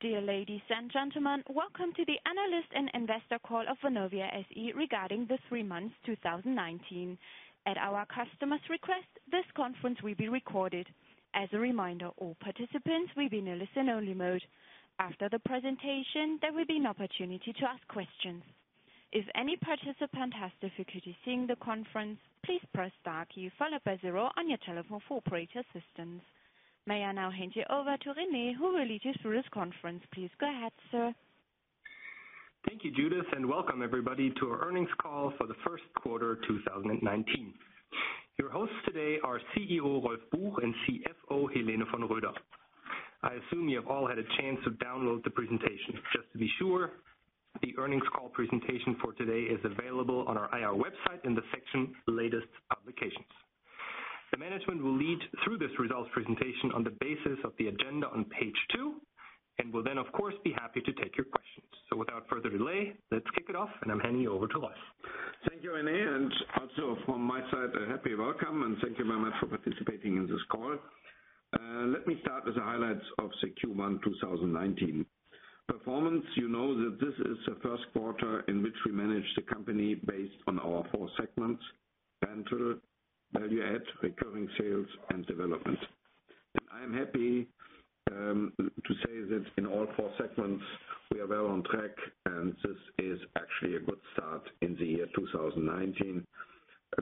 Dear ladies and gentlemen, welcome to the analyst and investor call of Vonovia SE regarding the three months 2019. At our customer's request, this conference will be recorded. As a reminder, all participants will be in a listen-only mode. After the presentation, there will be an opportunity to ask questions. If any participant has difficulty seeing the conference, please press star key followed by zero on your telephone for operator assistance. May I now hand you over to Rene, who will lead you through this conference. Please go ahead, sir. Thank you, Judith, and welcome everybody to our earnings call for the first quarter 2019. Your hosts today are CEO Rolf Buch and CFO Helene von Roeder. I assume you have all had a chance to download the presentation. Just to be sure, the earnings call presentation for today is available on our IR website in the section Latest Publications. The management will lead through this results presentation on the basis of the agenda on page two, and will then, of course, be happy to take your questions. Without further delay, let's kick it off, and I'm handing you over to Rolf. Thank you, Rene, and also from my side, a happy welcome, and thank you very much for participating in this call. Let me start with the highlights of the Q1 2019. Performance, you know that this is the first quarter in which we managed the company based on our four segments. Rental, value add, recurring sales, and development. I am happy to say that in all four segments, we are well on track, and this is actually a good start in the year 2019.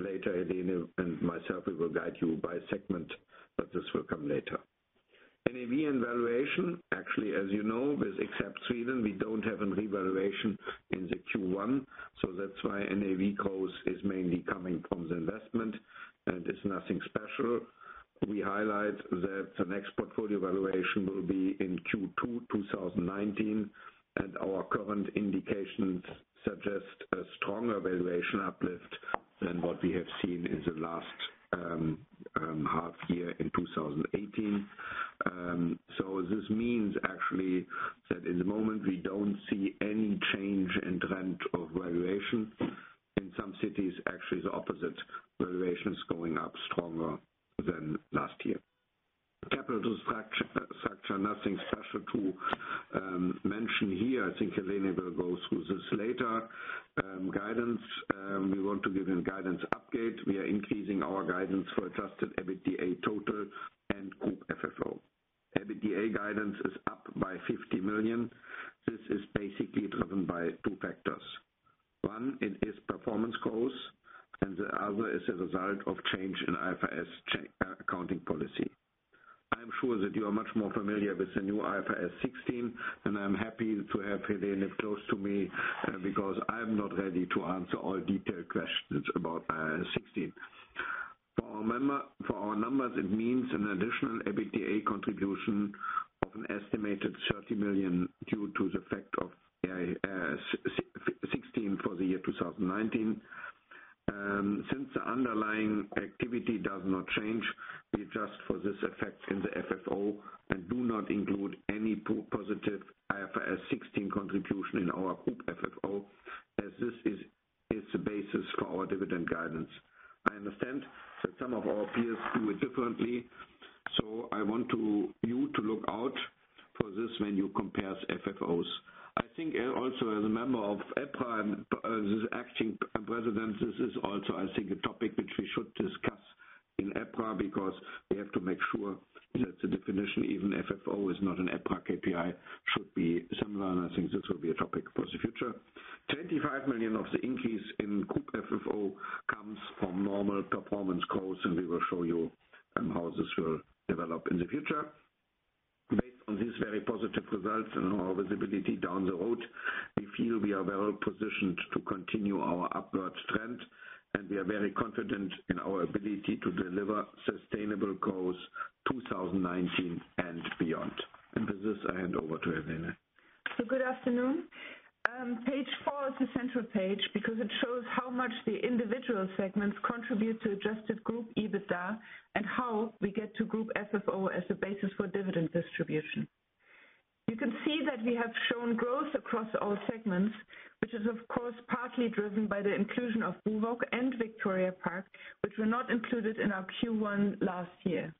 Later, Helene and myself, we will guide you by segment, but this will come later. NAV and valuation, actually, as you know, except Sweden, we don't have a revaluation in the Q1, so that's why NAV growth is mainly coming from the investment and it's nothing special. We highlight that the next portfolio valuation will be in Q2 2019, and our current indications suggest a stronger valuation uplift than what we have seen in the last half year in 2018. This means actually that in the moment we don't see any change in trend of valuation. In some cities, actually the opposite. Valuation is going up stronger than last year. Capital structure, nothing special to mention here. I think Helene will go through this later. Guidance. We want to give you a guidance update. We are increasing our guidance for Adjusted EBITDA total and Group FFO. EBITDA guidance is up by 50 million. This is basically driven by two factors. One, it is performance growth, and the other is a result of change in IFRS accounting policy. I am sure that you are much more familiar with the new IFRS 16, and I am happy to have Helene close to me because I am not ready to answer all detailed questions about IFRS 16. For our numbers, it means an additional EBITDA contribution of an estimated 30 million due to the effect of IFRS 16 for the year 2019. Since the underlying activity does not change, we adjust for this effect in the FFO and do not include any positive IFRS 16 contribution in our Group FFO, as this is the basis for our dividend guidance. I understand that some of our peers do it differently. I want you to look out for this when you compare FFOs. I think also as a member of EPRA and as acting president, this is also I think a topic which we should discuss in EPRA because we have to make sure that the definition, even FFO is not an EPRA KPI, should be similar, and I think this will be a topic for the future. 25 million of the increase in Group FFO comes from normal performance growth, and we will show you how this will develop in the future. Based on these very positive results and our visibility down the road, we feel we are well positioned to continue our upward trend, and we are very confident in our ability to deliver sustainable growth 2019 and beyond. With this, I hand over to Helene. Good afternoon. Page four is the central page because it shows how much the individual segments contribute to adjusted group EBITDA and how we get to Group FFO as the basis for dividend distribution. You can see that we have shown growth across all segments, which is of course, partly driven by the inclusion of BUWOG and Victoria Park, which were not included in our Q1 last year.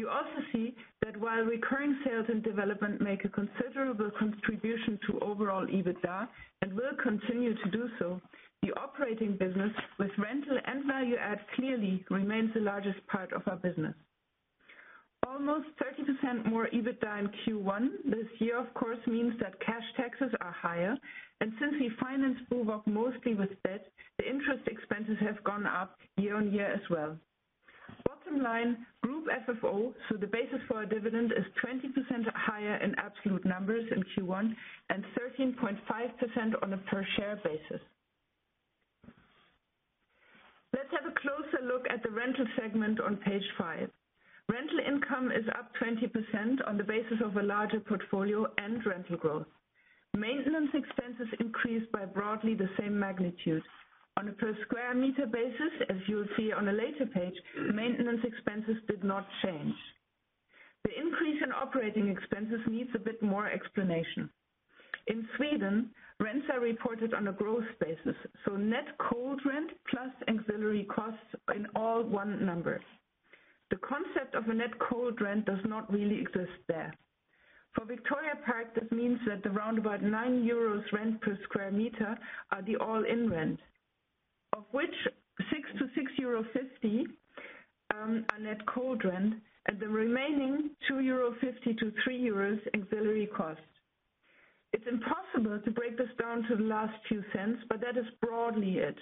You also see that while recurring sales and development make a considerable contribution to overall EBITDA and will continue to do so, the operating business with rental and value add clearly remains the largest part of our business. Almost 30% more EBITDA in Q1 this year, of course, means that cash taxes are higher, and since we financed BUWOG mostly with debt, the interest expenses have gone up year-on-year as well. Bottom line, Group FFO, the basis for our dividend, is 20% higher in absolute numbers in Q1, and 13.5% on a per share basis. Let's have a closer look at the rental segment on page five. Rental income is up 20% on the basis of a larger portfolio and rental growth. Maintenance expenses increased by broadly the same magnitude. On a per sq m basis, as you will see on a later page, maintenance expenses did not change. The increase in operating expenses needs a bit more explanation. In Sweden, rents are reported on a growth basis, net cold rent plus ancillary costs are in all one numbers. The concept of a net cold rent does not really exist there. For Victoria Park, this means that the roundabout 9 euros rent per sq m are the all-in rent, of which 6-6.50 euro are net cold rent, and the remaining 2.50-3 euro ancillary cost. It is impossible to break this down to the last few cents, but that is broadly it.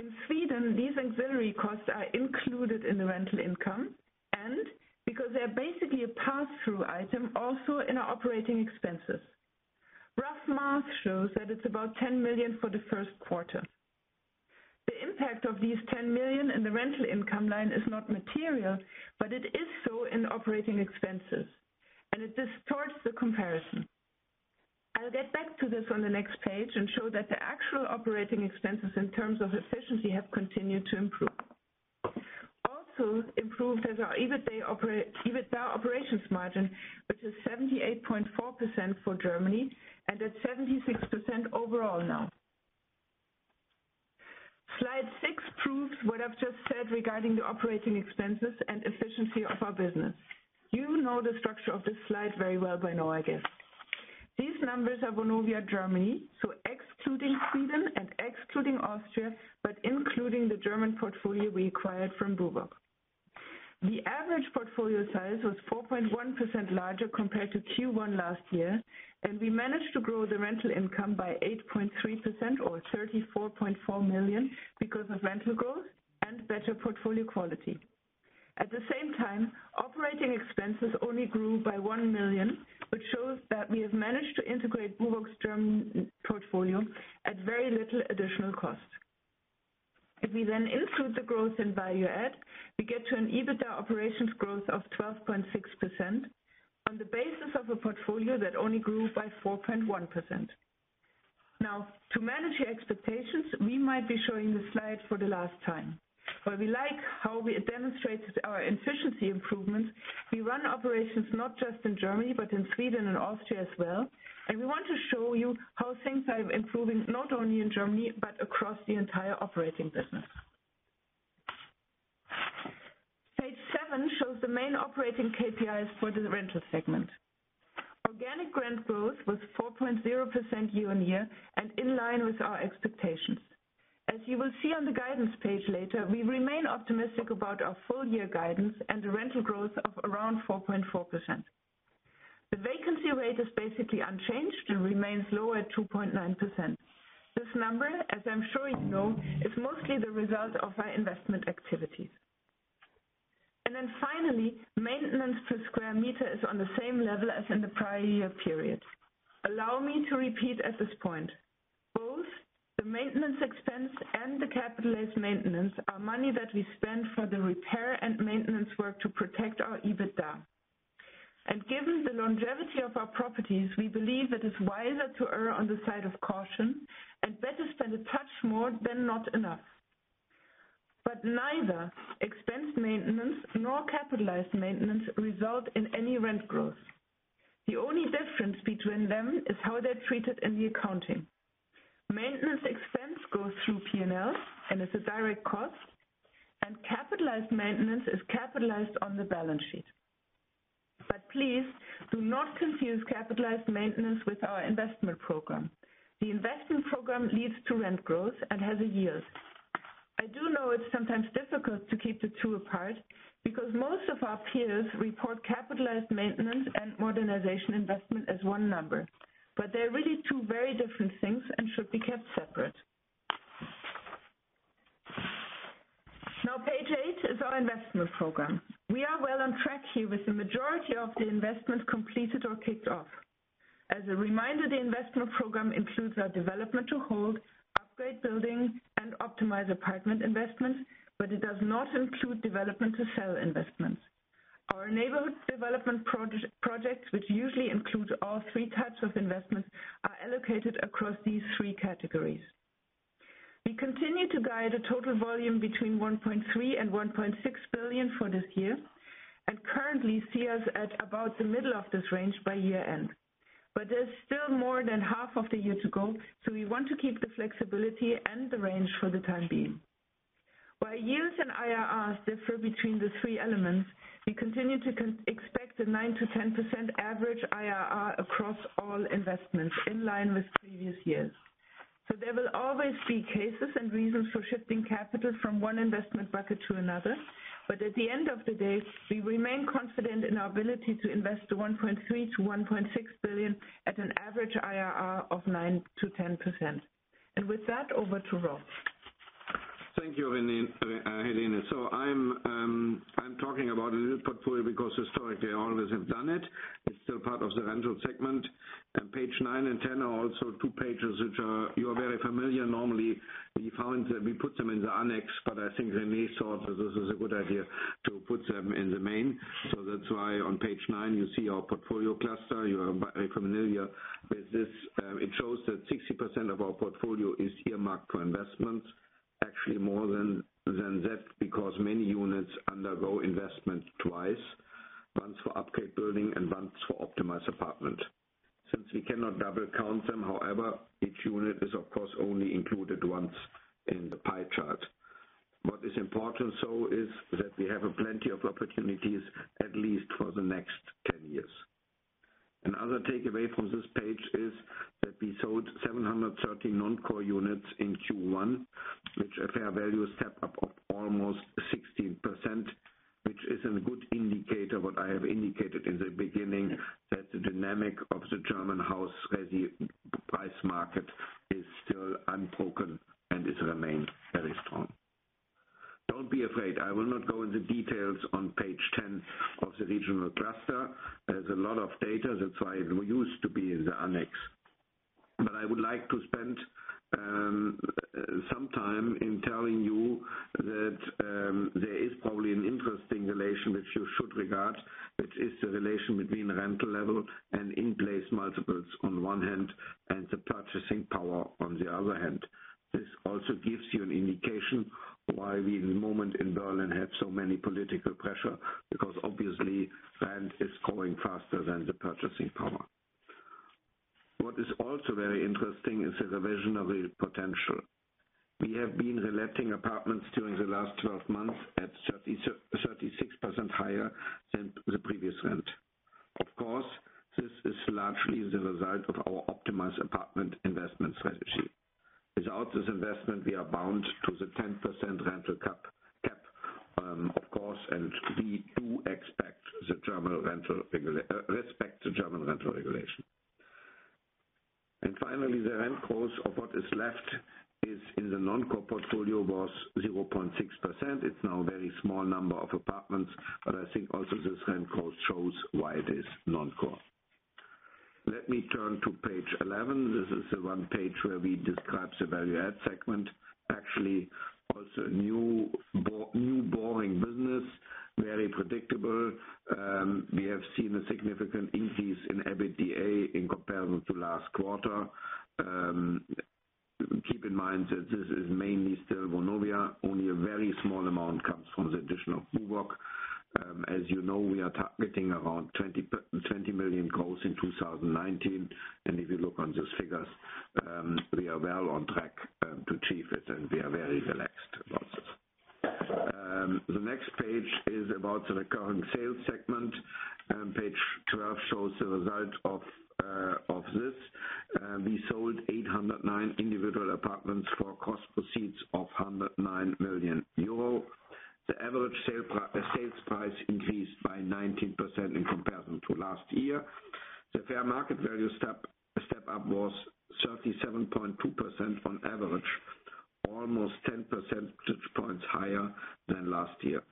In Sweden, these ancillary costs are included in the rental income, and because they are basically a pass-through item, also in our operating expenses. Rough math shows that it is about 10 million for Q1. The impact of these 10 million in the rental income line is not material, but it is so in operating expenses, and it distorts the comparison. I will get back to this on the next page and show that the actual operating expenses in terms of efficiency have continued to improve. Also improved is our Adjusted EBITDA operations margin, which is 78.4% for Germany and at 76% overall now. Slide six proves what I have just said regarding the operating expenses and efficiency of our business. You know the structure of this slide very well by now, I guess. These numbers are Vonovia Germany, so excluding Sweden and excluding Austria, but including the German portfolio we acquired from BUWOG. The average portfolio size was 4.1% larger compared to Q1 last year, and we managed to grow the rental income by 8.3% or 34.4 million because of rental growth and better portfolio quality. At the same time, operating expenses only grew by 1 million, which shows that we have managed to integrate BUWOG's German portfolio at very little additional cost. If we include the growth in value add, we get to an Adjusted EBITDA operations growth of 12.6% on the basis of a portfolio that only grew by 4.1%. To manage your expectations, we might be showing this slide for the last time. While we like how we demonstrated our efficiency improvements, we run operations not just in Germany, but in Sweden and Austria as well, and we want to show you how things are improving not only in Germany but across the entire operating business. Page seven shows the main operating KPIs for the rental segment. Organic rent growth was 4.0% year-over-year and in line with our expectations. As you will see on the guidance page later, we remain optimistic about our full year guidance and the rental growth of around 4.4%. The vacancy rate is basically unchanged and remains low at 2.9%. This number, as I am sure you know, is mostly the result of our investment activities. Finally, maintenance per sq m is on the same level as in the prior year period. Allow me to repeat at this point, both the maintenance expense and the capitalized maintenance are money that we spend for the repair and maintenance work to protect our EBITDA. Given the longevity of our properties, we believe it is wiser to err on the side of caution and better spend a touch more than not enough. Neither expense maintenance nor capitalized maintenance result in any rent growth. The only difference between them is how they are treated in the accounting. Maintenance expense goes through P&L and is a direct cost, and capitalized maintenance is capitalized on the balance sheet. Please, do not confuse capitalized maintenance with our investment program. The investment program leads to rent growth and has a yield. I do know it's sometimes difficult to keep the two apart because most of our peers report capitalized maintenance and modernization investment as one number. They're really two very different things and should be kept separate. Page 8 is our investment program. We are well on track here with the majority of the investments completed or kicked off. As a reminder, the investment program includes our development to hold, upgrade building, and optimize apartment investments, but it does not include development to sell investments. Our enabled development projects, which usually includes all three types of investments, are allocated across these three categories. We continue to guide a total volume between 1.3 billion and 1.6 billion for this year and currently see us at about the middle of this range by year-end. There's still more than half of the year to go, so we want to keep the flexibility and the range for the time being. While yields and IRRs differ between the three elements, we continue to expect a 9%-10% average IRR across all investments, in line with previous years. There will always be cases and reasons for shifting capital from one investment bucket to another. At the end of the day, we remain confident in our ability to invest 1.3 billion to 1.6 billion at an average IRR of 9%-10%. With that, over to Rolf. Thank you, Helene. I'm talking about a little portfolio because historically I always have done it. It's still part of the rental segment. Page 9 and 10 are also two pages which you are very familiar. Normally, we put them in the annex, I think Rene thought that this was a good idea to put them in the main. That's why on page 9, you see our portfolio cluster. You are very familiar with this. It shows that 60% of our portfolio is earmarked for investments. Actually more than that because many units undergo investment twice. Once for upgrade building and once for optimized apartment. Since we cannot double count them, however, each unit is of course only included once in the pie chart. What is important is that we have plenty of opportunities, at least for the next 10 years. Another takeaway from this page is that we sold 730 non-core units in Q1, which a fair value step up of almost 16%, which is a good indicator, what I have indicated in the beginning, that the dynamic of the German house price market is still unbroken and it remains very strong. Don't be afraid, I will not go into details on page 10 of the regional cluster. There's a lot of data, that's why it used to be in the annex. I would like to spend some time in telling you that there is probably an interesting relation which you should regard, which is the relation between rental level and in-place multiples on one hand, and the purchasing power on the other hand. This also gives you an indication why we in the moment in Berlin have so many political pressure, because obviously rent is growing faster than the purchasing power. What is also very interesting is the revision of the potential. We have been letting apartments during the last 12 months at 36% higher than the previous rent. Of course, this is largely the result of our optimized apartment investment strategy. Without this investment, we are bound to the 10% rental cap, of course, and we do respect the German rental regulation. Finally, the rent calls of what is left is in the non-core portfolio was 0.6%. It's now a very small number of apartments, but I think also this rent call shows why it is non-core. Let me turn to page 11. This is the one page where we describe the value add segment. Actually, also new boring business, very predictable. We have seen a significant increase in EBITDA in comparison to last quarter. Keep in mind that this is mainly still Vonovia. Only a very small amount comes from the addition of BUWOG. As you know, we are targeting around 20 million growth in 2019, and if you look on those figures, we are well on track to achieve it, and we are very relaxed about this. The next page is about the recurring sales segment. Page 12 shows the result of this. We sold 809 individual apartments for cost proceeds of 109 million euro. The average sales price increased by 19% in comparison to last year. The fair market value step up was 37.2% on average, almost 10 percentage points higher than last year.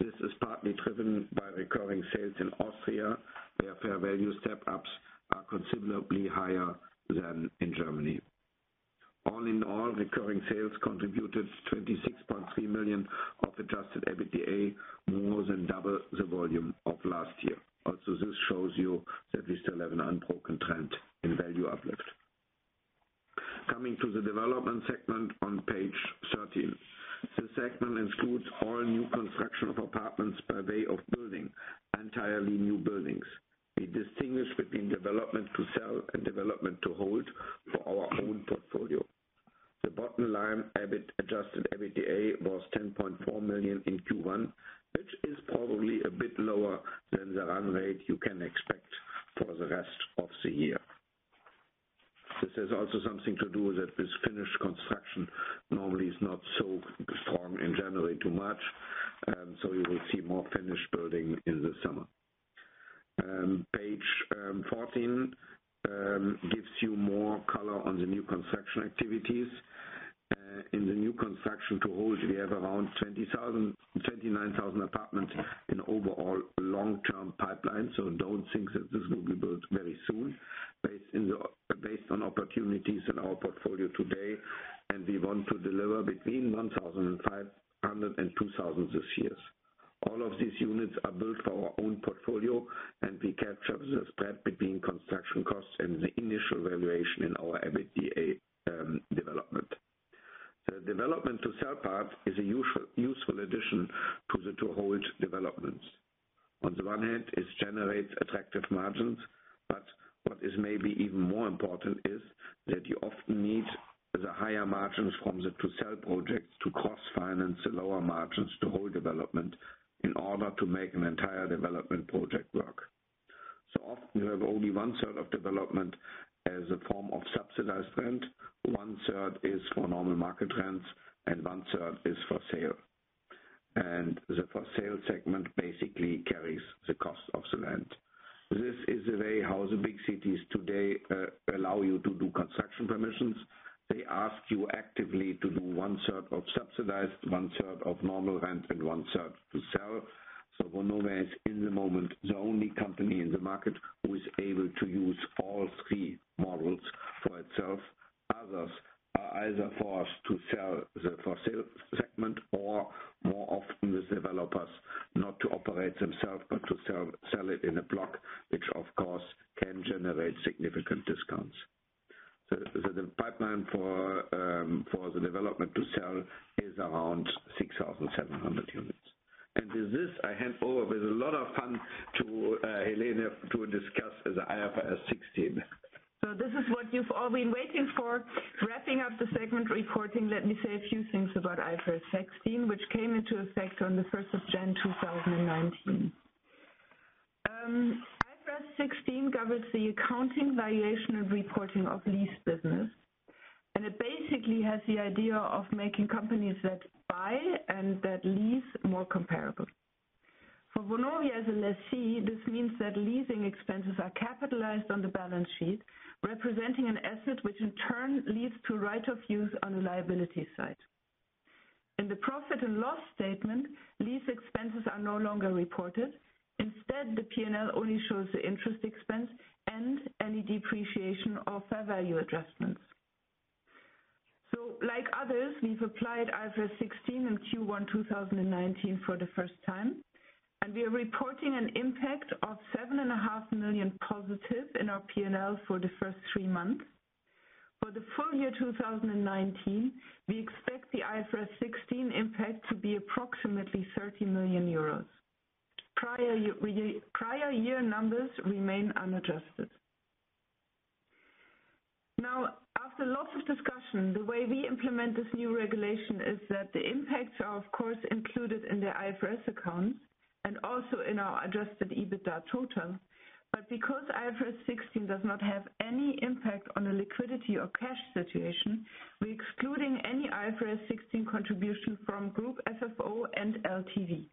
This is partly driven by recurring sales in Austria, where fair value step ups are considerably higher than in Germany. All in all, recurring sales contributed 26.3 million of Adjusted EBITDA, more than double the volume of last year. This also shows you that we still have an unbroken trend in value uplift. Coming to the development segment on page 13. This segment includes all new construction of apartments per way of building entirely new buildings. We distinguish between development to sell and development to hold for our own portfolio. The bottom line Adjusted EBITDA was 10.4 million in Q1, which is probably a bit lower than the run rate you can expect for the rest of the year. This has also something to do with that this finished construction normally is not so strong in January too much. You will see more finished building in the summer. Page 14 gives you more color on the new construction activities. In the new construction to hold, we have around 29,000 apartments in overall long-term pipeline. Don't think that this will be built very soon based on opportunities in our portfolio today, and we want to deliver between 1,500 and 2,000 this year. All of these units are built for our own portfolio, and we capture the spread between construction costs and the initial valuation in our EBITDA development. The development to sell part is a useful addition to the to hold developments. On the one hand, it generates attractive margins, but what is maybe even more important is that you often need the higher margins from the to sell projects to cross-finance the lower margins to hold development in order to make an entire development project work. Often, we have only one third of development as a form of subsidized rent, one third is for normal market rents, and one third is for sale. The for sale segment basically carries the cost of the land. This is the way how the big cities today allow you to do construction permissions. They ask you actively to do one third of subsidized, one third of normal rent, and one third to sell. Vonovia is, in the moment, the only company in the market who is able to use all three models for itself. Others are either forced to sell the for sale segment or more often the developers not to operate themselves, but to sell it in a block, which of course can generate significant discounts. The pipeline for the development to sell is around 6,700 units. With this, I hand over with a lot of fun to Helene to discuss the IFRS 16. This is what you've all been waiting for. Wrapping up the segment reporting, let me say a few things about IFRS 16, which came into effect on the 1st of January 2019. IFRS 16 covers the accounting, valuation, and reporting of lease business, and it basically has the idea of making companies that buy and that lease more comparable. For Vonovia as a lessee, this means that leasing expenses are capitalized on the balance sheet, representing an asset which in turn leads to right of use on the liability side. In the profit and loss statement, lease expenses are no longer reported. Instead, the P&L only shows the interest expense and any depreciation of fair value adjustments. Like others, we've applied IFRS 16 in Q1 2019 for the first time, and we are reporting an impact of 7.5 million positive in our P&L for the first three months. For the full year 2019, we expect the IFRS 16 impact to be approximately 30 million euros. Prior year numbers remain unadjusted. After lots of discussion, the way we implement this new regulation is that the impacts are of course included in the IFRS accounts and also in our Adjusted EBITDA total. Because IFRS 16 does not have any impact on the liquidity or cash situation, we're excluding any IFRS 16 contribution from Group FFO and LTV.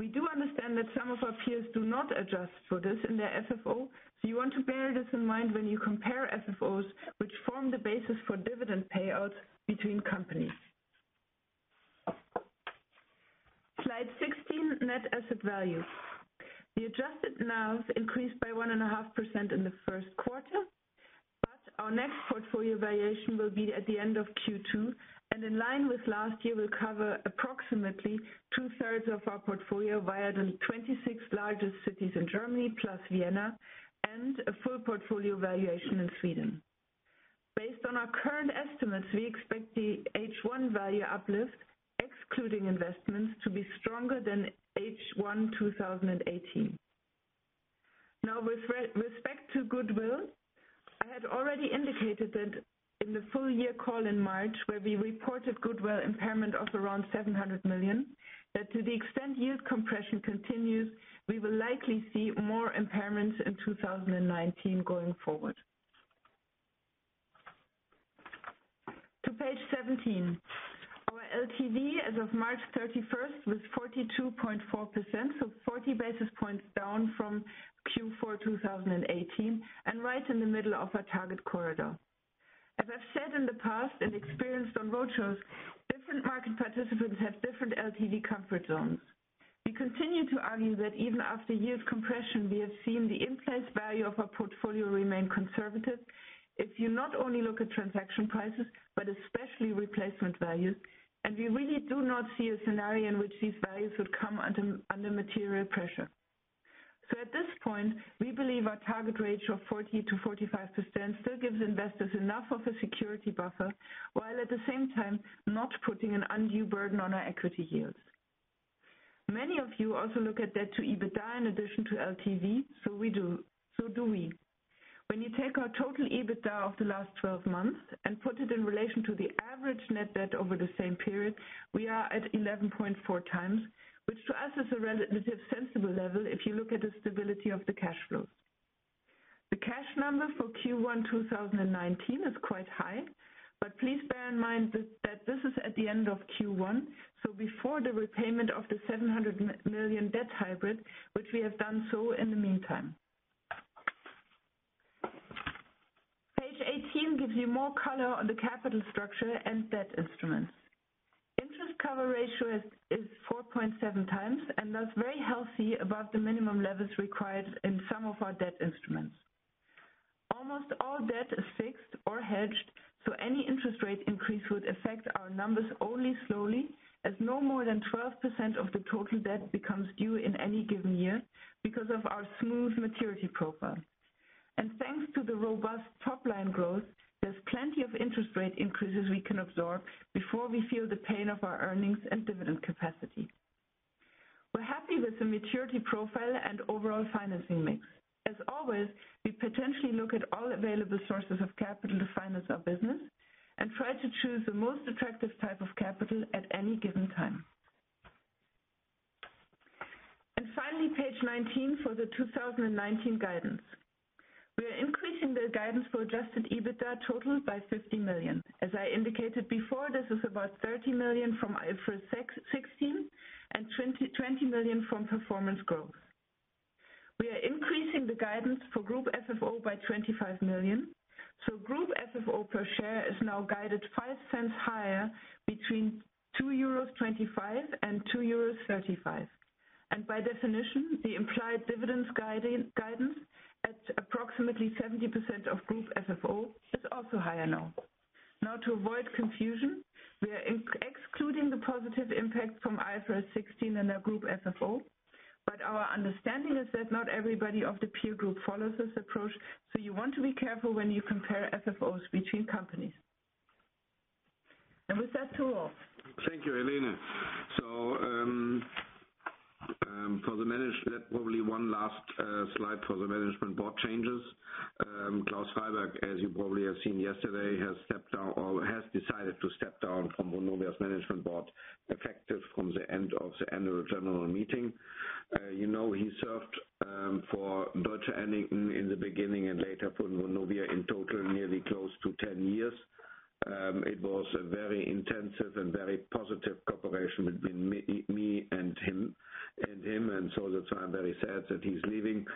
We do understand that some of our peers do not adjust for this in their FFO, so you want to bear this in mind when you compare FFOs, which form the basis for dividend payout between companies. Slide 16, Net Asset Value. The Adjusted NAV increased by 1.5% in the first quarter. Our next portfolio valuation will be at the end of Q2 and in line with last year will cover approximately two-thirds of our portfolio via the 26 largest cities in Germany plus Vienna and a full portfolio valuation in Sweden. Based on our current estimates, we expect the H1 value uplift, excluding investments, to be stronger than H1 2018. With respect to goodwill, I had already indicated that in the full year call in March, where we reported goodwill impairment of around 700 million, that to the extent yield compression continues, we will likely see more impairments in 2019 going forward. To page 17. Our LTV as of March 31st was 42.4%, 40 basis points down from Q4 2018 and right in the middle of our target corridor. As I've said in the past and experienced on roadshows, different market participants have different LTV comfort zones. We continue to argue that even after yield compression, we have seen the in-place value of our portfolio remain conservative. If you not only look at transaction prices, but especially replacement value. We really do not see a scenario in which these values would come under material pressure. At this point, we believe our target range of 40%-45% still gives investors enough of a security buffer, while at the same time not putting an undue burden on our equity yields. Many of you also look at debt to EBITDA in addition to LTV. Do we. When you take our total EBITDA of the last 12 months and put it in relation to the average net debt over the same period, we are at 11.4 times, which to us is a relatively sensible level if you look at the stability of the cash flows. The cash number for Q1 2019 is quite high. Please bear in mind that this is at the end of Q1, before the repayment of the 700 million debt hybrid, which we have done in the meantime. Page 18 gives you more color on the capital structure and debt instruments. Interest cover ratio is 4.7 times and that's very healthy above the minimum levels required in some of our debt instruments. Almost all debt is fixed or hedged. Any interest rate increase would affect our numbers only slowly, as no more than 12% of the total debt becomes due in any given year because of our smooth maturity profile. Thanks to the robust top-line growth, there's plenty of interest rate increases we can absorb before we feel the pain of our earnings and dividend capacity. We're happy with the maturity profile and overall financing mix. As always, we potentially look at all available sources of capital to finance our business and try to choose the most attractive type of capital at any given time. Finally, page 19 for the 2019 guidance. We are increasing the guidance for Adjusted EBITDA total by 50 million. As I indicated before, this is about 30 million from IFRS 16 and 20 million from performance growth. We are increasing the guidance for Group FFO by 25 million. Group FFO per share is now guided 0.05 higher between €2.25 and €2.35. By definition, the implied dividends guidance at approximately 70% of Group FFO is also higher now. To avoid confusion, we are excluding the positive impact from IFRS 16 in our Group FFO. Our understanding is that not everybody of the peer group follows this approach, so you want to be careful when you compare FFOs between companies. With that, to Rolf. Thank you, Helene. Probably one last slide for the management board changes. Klaus Freiberg, as you probably have seen yesterday, has decided to step down from Vonovia's management board, effective from the end of the annual general meeting. You know, he served for Deutsche Annington in the beginning and later for Vonovia in total, nearly close to 10 years. It was a very intensive and very positive cooperation between me and him. That's why I'm very sad that he's leaving.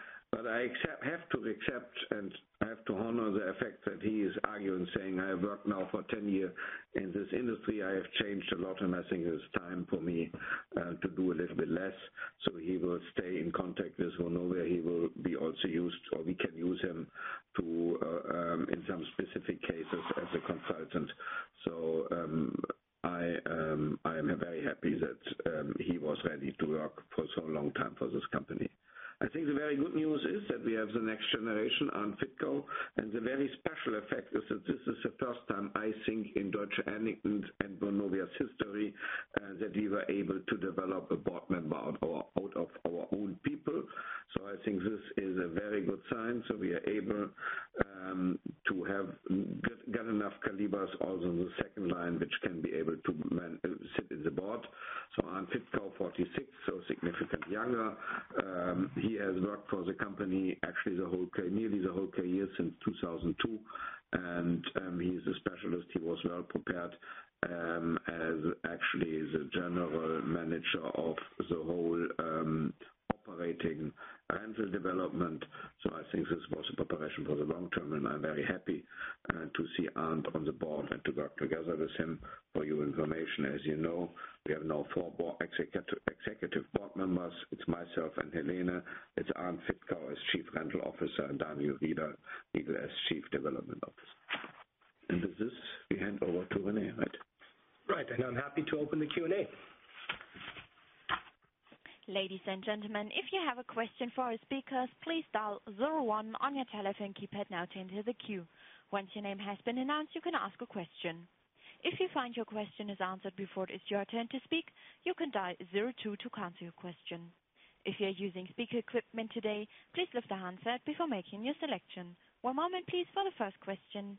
I have to accept, and I have to honor the effect that he is arguing, saying, "I have worked now for 10 years in this industry. I have changed a lot, and I think it is time for me to do a little bit less." He will stay in contact with Vonovia. We can use him in some specific cases as a consultant. I am very happy that he was ready to work for so long time for this company. I think the very good news is that we have the next generation, Arnd Fittkau, and the very special effect is that this is the first time, I think, in Deutsche Annington's and Vonovia's history, that we were able to develop a board member out of our own people. I think this is a very good sign. We are able to have got enough calibers also in the second line, which can be able to sit in the board. Arnd Fittkau, 46, significantly younger. He has worked for the company actually nearly the whole career, since 2002. He's a specialist. He was well-prepared, as actually the general manager of the whole operating rental development. I am very happy to see Arnd on the board and to work together with him. For your information, as you know, we have now four executive board members. It's myself and Helene, it's Arnd Fittkau as Chief Rental Officer, and Daniel Riedl as Chief Development Officer. With this, we hand over to Rene, right? I'm happy to open the Q&A. Ladies and gentlemen, if you have a question for our speakers, please dial 01 on your telephone keypad now to enter the queue. Once your name has been announced, you can ask a question. If you find your question is answered before it is your turn to speak, you can dial 02 to cancel your question. If you're using speaker equipment today, please lift the handset before making your selection. One moment please for the first question.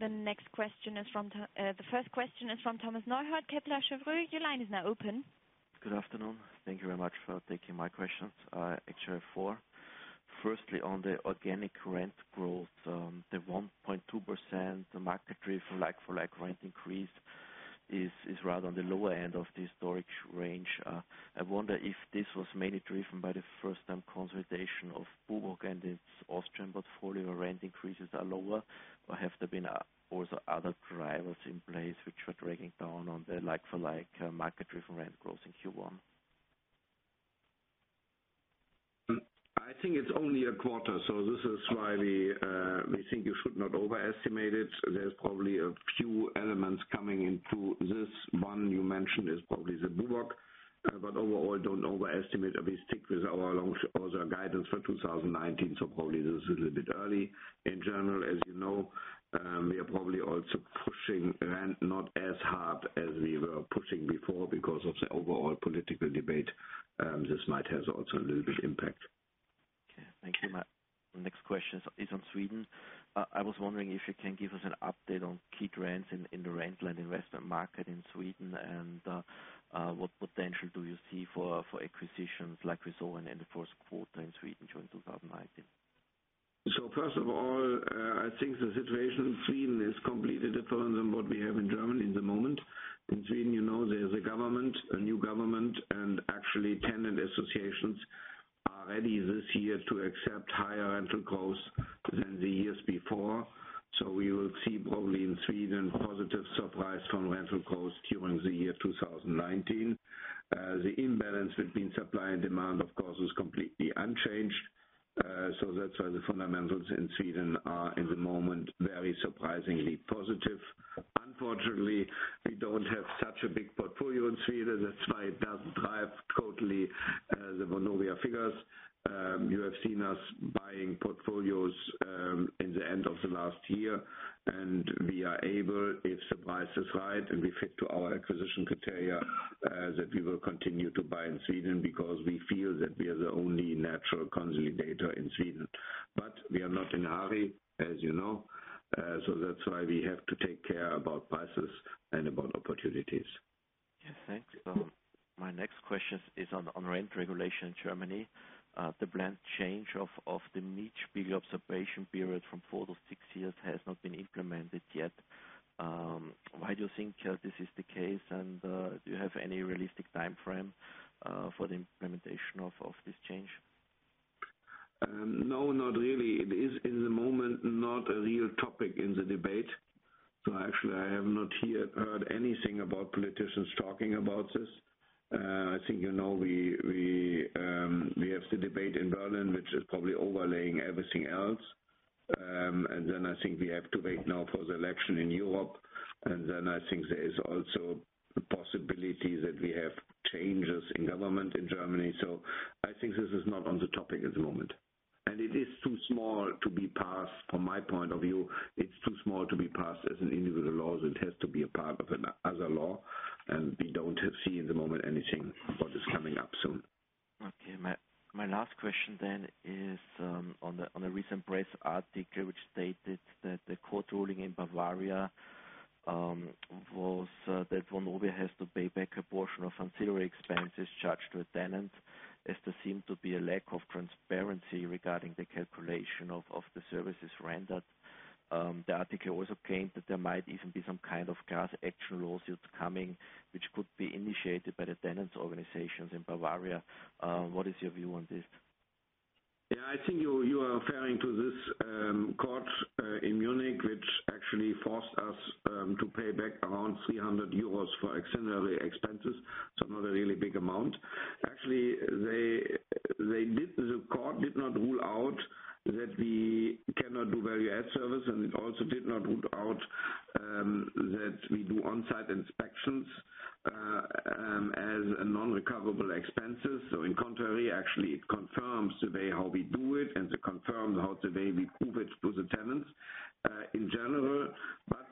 The first question is from Thomas Neuhold, Kepler Cheuvreux, your line is now open. Good afternoon. Thank you very much for taking my questions. Actually four. Firstly on the organic current growth of 1.2%, the market approval like-for-like growth increase is rather on the lower end of this storage range. I wonder if this was mainly driven by the first-time consultation of Uber and its Austrian portfolio rent increase at a lower, or has there been also other drivers in place which were driving down on the like-for-like market rent growth in Q1? I think it's only a quarter, so this is why we think you should not overestimate it. There are only a few elements coming into this one you mentioned is probably the New York, but overall I don't know overestimate it. We stick with our low guidance of 2019, so probably this is a little bit early. In general, as you know, we are probably also not pushing rent not as hard as we were pushing before because of the overall political debate. This might have also a little bit of impact. Thank you. Next question is on Sweden. I was wondering if you can give us an update on key trends in the rent-to-investor market in Sweden and what potential do you see for acquisitions, like for like rent growth in Sweden in Q1 2019? So first of all, I think the situation in Sweden is completely different on what we have in Germany at the moment. In Sweden, you know, there is a government, a new government, and actually 10 associations already this year to accept higher rent growth than the years before. So you will see both in Sweden positive surprise on rent growth Q1 and the year 2019. The imbalance between supply and demand, of course, is completely unchanged. So that's why the fundamentals in Sweden are at the moment very surprisingly positive. Unfortunately, it don't have such a big portfolio in Sweden. That's why it doesn't drive totally on the lower figures. You have seen us buying portfolios in the end of the last year, and we are able, if the prices rise to be fixed to our acquisition criteria, that we will continue to buy in Sweden because we feel that we are the only natural consolidator in Sweden. But we are not in a hurry, as you know. So that's why we have to take care about prices and about opportunities. My next question is on rent regulation in Germany. The planned change of the Mietspiegel observation period from four to six years has not been implemented yet. Why do you think this is the case, and do you have any realistic timeframe for the implementation of this change? No, not really. It is in the moment not a real topic in the debate. Actually, I have not yet heard anything about politicians talking about this. I think you know we have the debate in Berlin, which is probably overlaying everything else. I think we have to wait now for the election in Europe. I think there is also the possibility that we have changes in government in Germany. I think this is not on the topic at the moment. It is too small to be passed, from my point of view. It's too small to be passed as an individual law, so it has to be a part of another law, and we don't see anything about this coming up soon at the moment. Okay. My last question is on a recent press article which stated that the court ruling in Bavaria was that Vonovia has to pay back a portion of ancillary expenses charged to a tenant, as there seemed to be a lack of transparency regarding the calculation of the services rendered. The article also claimed that there might even be some kind of class action lawsuits coming, which could be initiated by the tenants' organizations in Bavaria. What is your view on this? I think you are referring to this court in Munich, which actually forced us to pay back around 300 euros for ancillary expenses. Not a really big amount. Actually, the court did not rule out that we cannot do value-add service, and it also did not rule out that we do on-site inspections as non-recoverable expenses. On the contrary, actually, it confirms the way how we do it, and it confirms the way we prove it to the tenants in general.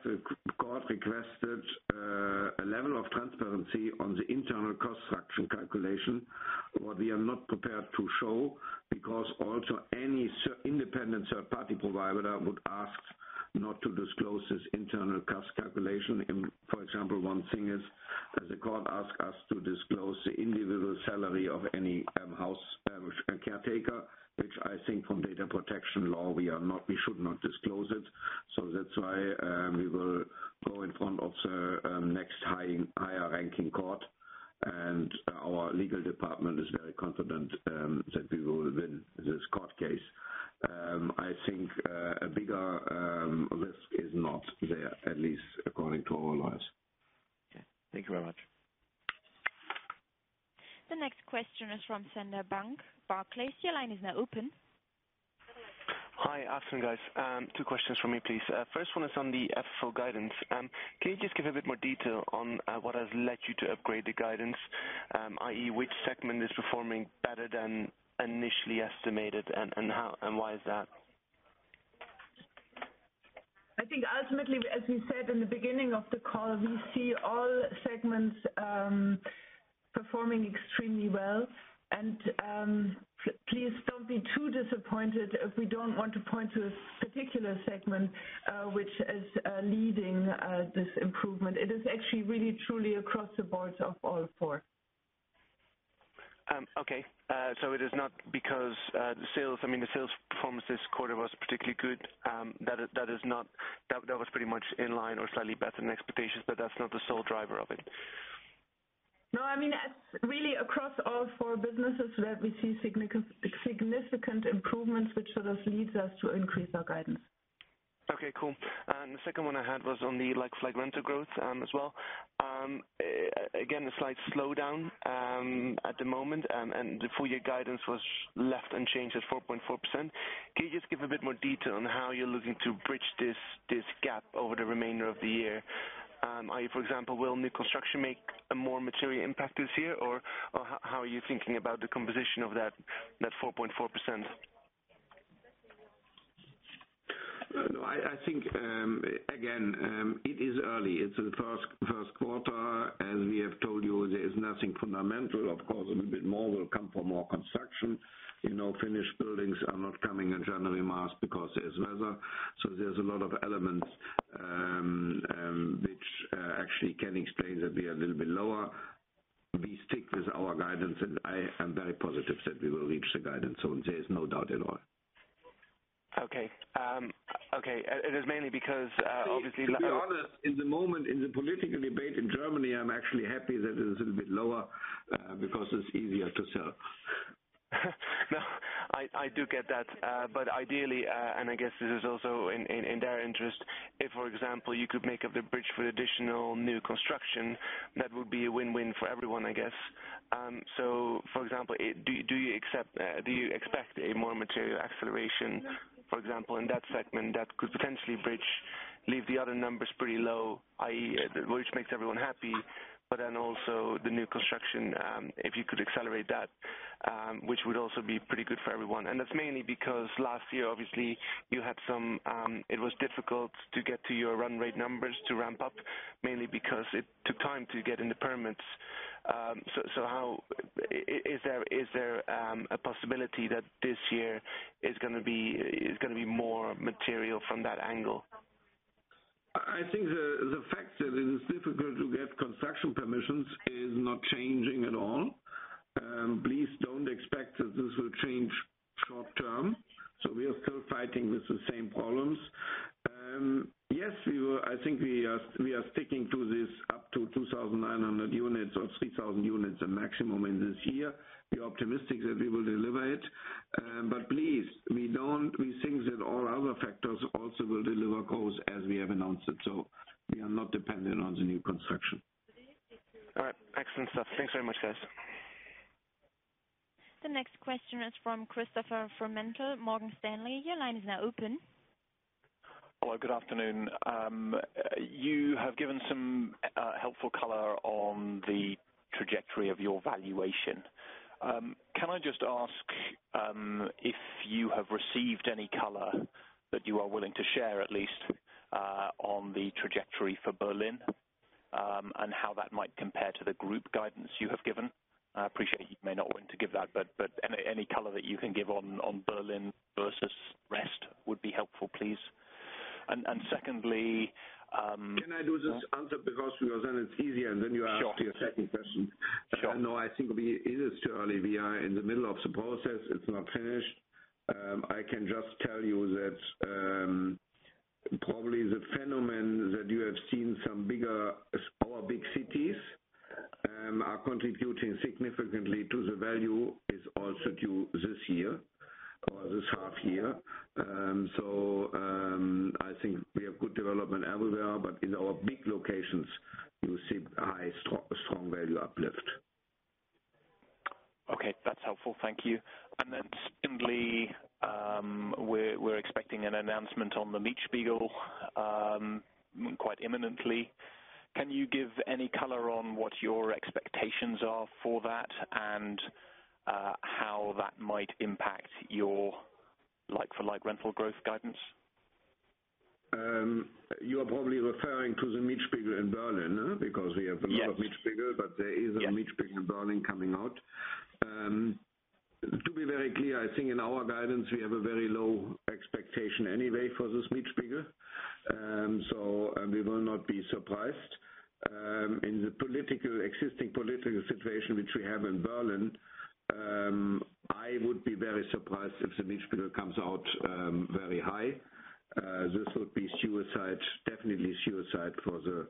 The court requested a level of transparency on the internal cost structure calculation, what we are not prepared to show because also any independent third-party provider would ask not to disclose this internal cost calculation. For example, one thing is the court asked us to disclose the individual salary of any house caretaker, which I think from data protection law, we should not disclose it. That's why we will go in front of the next higher-ranking court, our legal department is very confident that we will win this court case. I think a bigger risk is not there, at least according to our lawyers. Okay. Thank you very much. The next question is from Sander Bunck. Barclays, your line is now open. Hi. Afternoon, guys. Two questions from me, please. First one is on the FFO guidance. Can you just give a bit more detail on what has led you to upgrade the guidance? I.e., which segment is performing better than initially estimated and why is that? I think ultimately, as we said in the beginning of the call, we see all segments performing extremely well. Please don't be too disappointed if we don't want to point to a particular segment, which is leading this improvement. It is actually really truly across the board of all four. Okay. It is not because the sales performance this quarter was particularly good. That was pretty much in line or slightly better than expectations, but that's not the sole driver of it. No, it's really across all four businesses that we see significant improvements, which sort of leads us to increase our guidance. Okay, cool. The second one I had was on the like-for-like rental growth as well. Again, a slight slowdown at the moment, and the full year guidance was left unchanged at 4.4%. Can you just give a bit more detail on how you're looking to bridge this gap over the remainder of the year? I.e., for example, will new construction make a more material impact this year? Or how are you thinking about the composition of that 4.4%? No, I think, again, it is early. It's the first quarter. As we have told you, there is nothing fundamental. Of course, a little bit more will come from more construction. Finished buildings are not coming in January en masse because there's weather. There's a lot of elements which actually can explain that we are a little bit lower. We stick with our guidance, and I am very positive that we will reach the guidance. There's no doubt at all. Okay. It is mainly because obviously the To be honest, at the moment in the political debate in Germany, I'm actually happy that it is a little bit lower because it's easier to sell. I do get that. Ideally, and I guess this is also in their interest, if, for example, you could make up the bridge for additional new construction, that would be a win-win for everyone, I guess. For example, do you expect a more material acceleration, for example, in that segment that could potentially bridge, leave the other numbers pretty low, i.e., which makes everyone happy, but then also the new construction, if you could accelerate that, which would also be pretty good for everyone. That's mainly because last year, obviously it was difficult to get to your run rate numbers to ramp up, mainly because it took time to get in the permits. Is there a possibility that this year is going to be more material from that angle? I think the fact that it is difficult to get construction permissions is not changing at all. Please don't expect that this will change short term. We are still fighting with the same problems. Yes, I think we are sticking to this up to 2,900 units or 3,000 units maximum in this year. We are optimistic that we will deliver it. Please, we think that all other factors also will deliver growth as we have announced it. We are not dependent on the new construction. All right. Excellent stuff. Thanks very much, guys. The next question is from Christof Vormfelde, Morgan Stanley. Your line is now open. Hello, good afternoon. You have given some helpful color on the trajectory of your valuation. Can I just ask if you have received any color that you are willing to share, at least on the trajectory for Berlin, and how that might compare to the group guidance you have given? I appreciate you may not want to give that, but any color that you can give on Berlin versus rest would be helpful, please. Secondly- Can I do this answer because then it's easier, and then you ask your second question. Sure. No, I think it is too early. We are in the middle of the process. It's not finished. I can just tell you that probably the phenomenon that you have seen some of our big cities are contributing significantly to the value is also due this year or this half year. I think we have good development everywhere, but in our big locations, you will see high, strong value uplift. Okay. That's helpful. Thank you. Secondly, we're expecting an announcement on the Mietspiegel quite imminently. Can you give any color on what your expectations are for that and how that might impact your like-for-like rental growth guidance? You are probably referring to the Mietspiegel in Berlin, because we have- Yes a lot of Mietspiegel, but there is a Mietspiegel in Berlin coming out. To be very clear, I think in our guidance, we have a very low expectation anyway for this Mietspiegel. We will not be surprised. In the existing political situation which we have in Berlin, I would be very surprised if the Mietspiegel comes out very high. This would be suicide, definitely suicide for the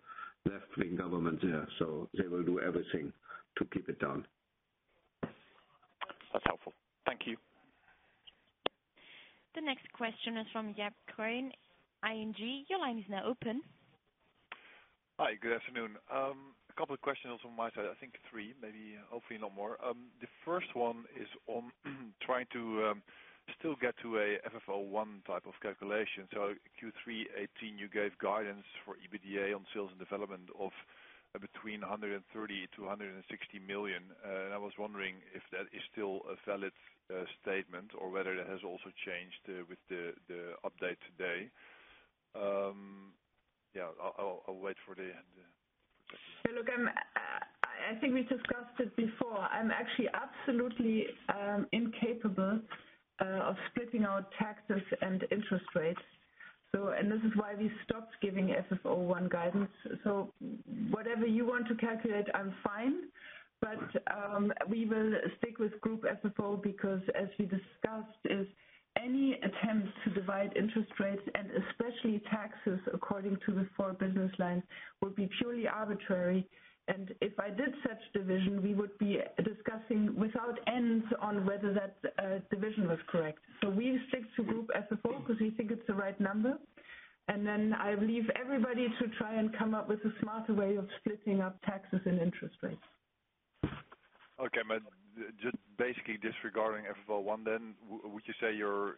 left-wing government there. They will do everything to keep it down. That's helpful. Thank you. The next question is from Jaap Kuin, ING. Your line is now open. Hi, good afternoon. A couple of questions from my side. I think three, maybe. Hopefully not more. The first one is on trying to still get to a FFO1 type of calculation. Q3 2018, you gave guidance for EBITDA on sales and development of between 130 million-160 million. I was wondering if that is still a valid statement or whether that has also changed with the update today. Yeah, I'll wait for the end. Look, I think we discussed it before. I'm actually absolutely incapable of splitting out taxes and interest rates. This is why we stopped giving FFO1 guidance. Whatever you want to calculate, I'm fine. We will stick with Group FFO because as we discussed is any attempt to divide interest rates and especially taxes according to the four business lines would be purely arbitrary, and if I did such division, we would be discussing without end on whether that division was correct. We stick to Group FFO because we think it's the right number. I leave everybody to try and come up with a smarter way of splitting up taxes and interest rates. Okay, just basically disregarding FFO1 then, would you say your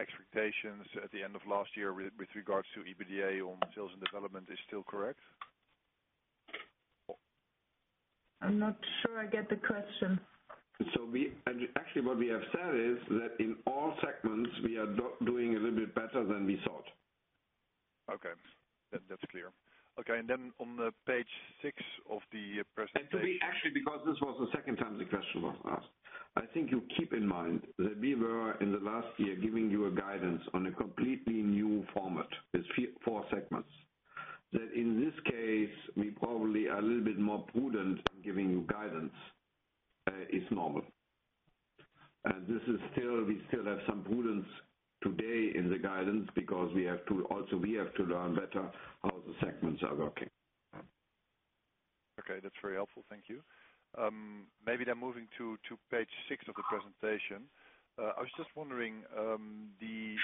expectations at the end of last year with regards to EBITDA on sales and development is still correct? I'm not sure I get the question. Actually, what we have said is that in all segments, we are doing a little bit better than we thought. Okay. That's clear. Okay, on page six of the presentation. To be actually, because this was the second time the question was asked, I think you keep in mind that we were in the last year giving you a guidance on a completely new format, these four segments. That in this case, we probably are a little bit more prudent on giving you guidance is normal. We still have some prudence today in the guidance because also we have to learn better how the segments are working. Okay, that's very helpful. Thank you. Maybe moving to page six of the presentation. I was just wondering, the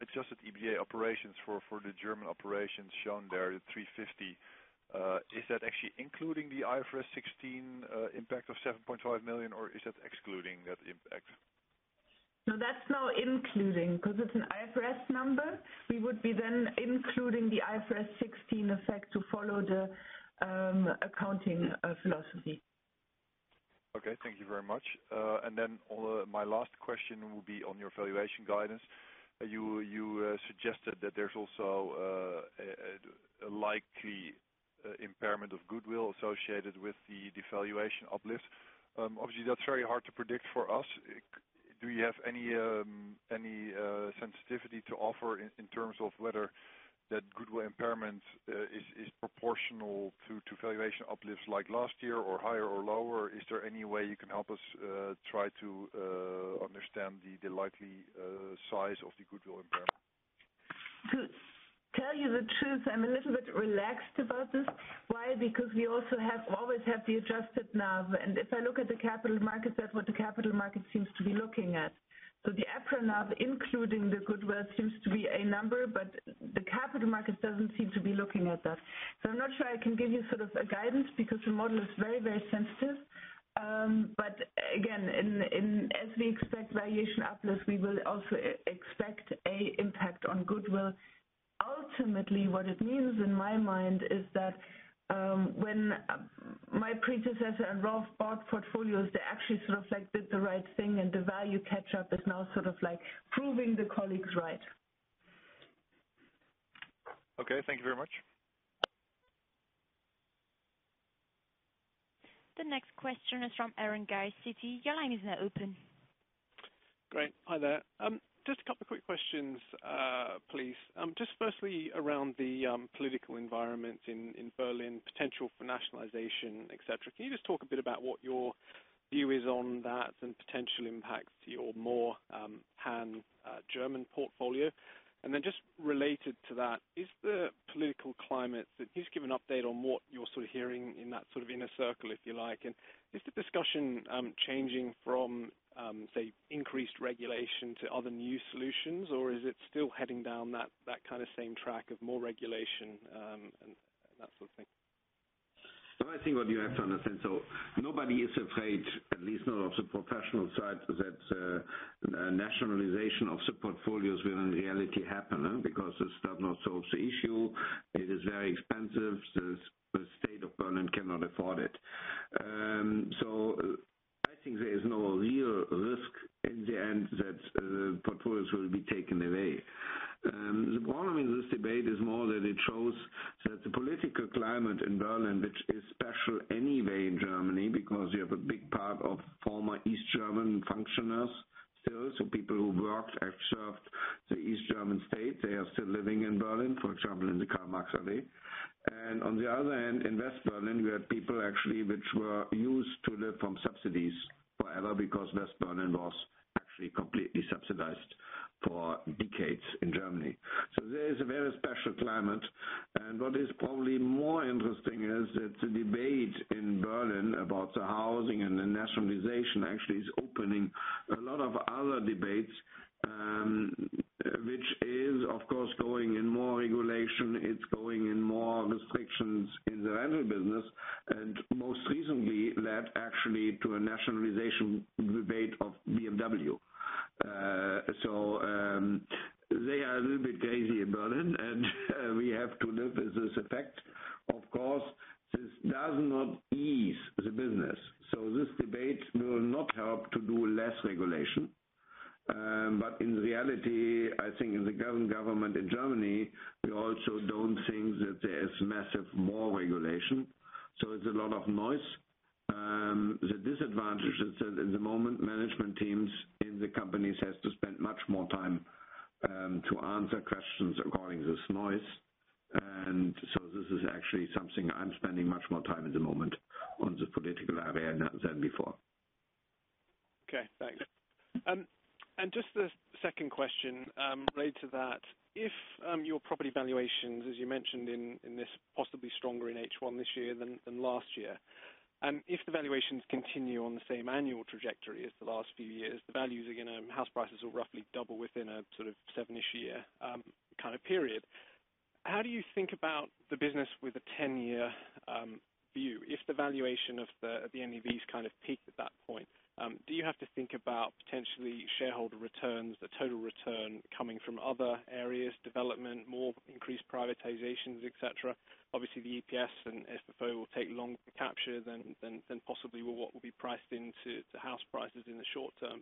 Adjusted EBITDA operations for the German operations shown there at 350, is that actually including the IFRS 16 impact of 7.5 million, or is that excluding that impact? No, that's now including, because it's an IFRS number. We would be including the IFRS 16 effect to follow the accounting philosophy. Okay. Thank you very much. My last question will be on your valuation guidance. You suggested that there's also a likely impairment of goodwill associated with the valuation uplift. Obviously, that's very hard to predict for us. Do you have any sensitivity to offer in terms of whether that goodwill impairment is proportional to valuation uplifts like last year or higher or lower? Is there any way you can help us try to understand the likely size of the goodwill impairment? To tell you the truth, I'm a little bit relaxed about this. Why? Because we also always have the Adjusted NAV. If I look at the capital market, that's what the capital market seems to be looking at. The EPRA NAV, including the goodwill, seems to be a number, but the capital market doesn't seem to be looking at that. I'm not sure I can give you guidance because your model is very sensitive. Again, as we expect valuation uplift, we will also expect an impact on goodwill. Ultimately, what it means in my mind is that when my predecessor and Rolf bought portfolios, they actually did the right thing and the value catch-up is now proving the colleagues right. Okay. Thank you very much. The next question is from Aaron Guy, Citi. Your line is now open. Great. Hi there. Just a couple of quick questions, please. Firstly around the political environment in Berlin, potential for nationalization, et cetera. Can you just talk a bit about what your view is on that and potential impacts to your more pan-German portfolio? Then just related to that, can you just give an update on what you're hearing in that inner circle, if you like? Is the discussion changing from, say, increased regulation to other new solutions, or is it still heading down that kind of same track of more regulation, and that sort of thing? I think what you have to understand, so nobody is afraid, at least not on the professional side, that nationalization of the portfolios will in reality happen, because this does not solve the issue. It is very expensive. The state of Berlin cannot afford it. I think there is no real risk in the end that portfolios will be taken away. The problem in this debate is more that it shows that the political climate in Berlin, which is special anyway in Germany because you have a big part of former East German functioners still. People who worked and served the East German state, they are still living in Berlin, for example, in the Karl-Marx-Allee. On the other hand, in West Berlin, we had people actually, which were used to live from subsidies forever because West Berlin was actually completely subsidized for decades in Germany. There is a very special climate, what is probably more interesting is that the debate in Berlin about the housing and the nationalization actually is opening a lot of other debates. Which is, of course, going in more regulation, it's going in more restrictions in the rental business, and most recently led actually to a nationalization debate of BMW. They are a little bit crazy in Berlin, and we have to live with this effect. Of course, this does not ease the business. This debate will not help to do less regulation. In reality, I think in the current government in Germany, we also don't think that there is massive more regulation. It's a lot of noise. The disadvantage is that at the moment, management teams in the companies have to spend much more time to answer questions regarding this noise. This is actually something I'm spending much more time at the moment on the political area than before. Okay, thanks. Just the second question related to that. If your property valuations, as you mentioned in this, possibly stronger in H1 this year than last year. If the valuations continue on the same annual trajectory as the last few years, house prices will roughly double within a sort of seven-ish year kind of period. How do you think about the business with a 10-year view? If the valuation of the NAVs kind of peak at that point, do you have to think about potentially shareholder returns, the total return coming from other areas, development, more increased privatizations, et cetera? Obviously, the EPS and FFO will take longer to capture than possibly what will be priced into house prices in the short term.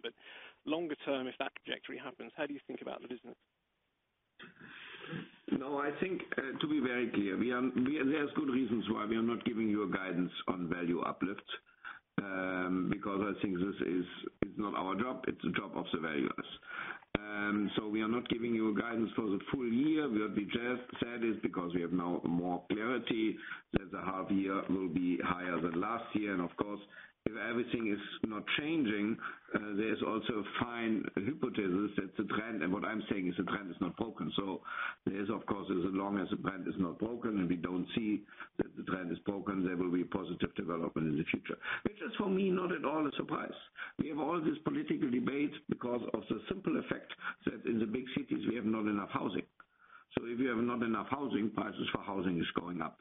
Longer term, if that trajectory happens, how do you think about the business? No, I think to be very clear, there's good reasons why we are not giving you a guidance on value uplift. I think this is not our job, it's the job of the valuers. We are not giving you a guidance for the full year. What we just said is because we have now more clarity that the half year will be higher than last year. Of course, if everything is not changing, there is also fine hypothesis that the trend, and what I'm saying is the trend is not broken. There is, of course, as long as the trend is not broken and we don't see that the trend is broken, there will be positive development in the future. Which is for me, not at all a surprise. We have all this political debate because of the simple effect that in the big cities we have not enough housing. If you have not enough housing, prices for housing is going up.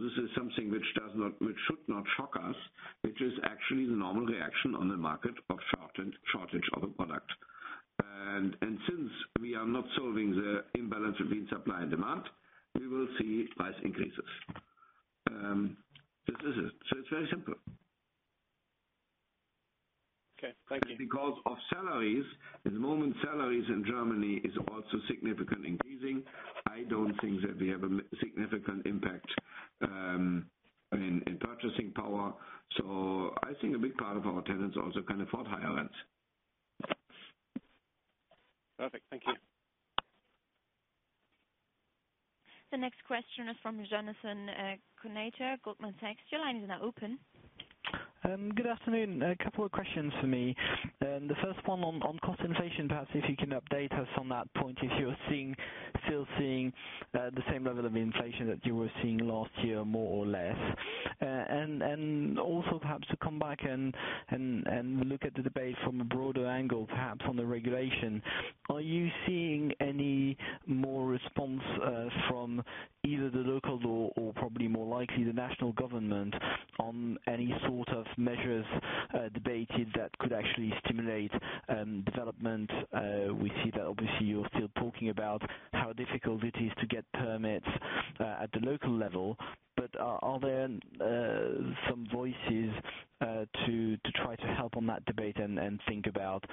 This is something which should not shock us, which is actually the normal reaction on the market of shortage of a product. Since we are not solving the imbalance between supply and demand, we will see price increases. This is it. It's very simple. Okay. Thank you. Because of salaries, at the moment, salaries in Germany is also significantly increasing. I don't think that we have a significant impact in purchasing power. I think a big part of our tenants also can afford higher rents. Perfect. Thank you. The next question is from Jonathan Kownator, Goldman Sachs. Your line is now open. Good afternoon. A couple of questions from me. The first one on cost inflation, perhaps if you can update us on that point, if you are still seeing the same level of inflation that you were seeing last year, more or less. Also perhaps to come back and look at the debate from a broader angle, perhaps, on the regulation. Are you seeing any more response from either the locals or probably more likely the national government on any sort of measures debated that could actually stimulate development? We see that obviously you are still talking about how difficult it is to get permits at the local level, are there some voices to try to help on that debate and think about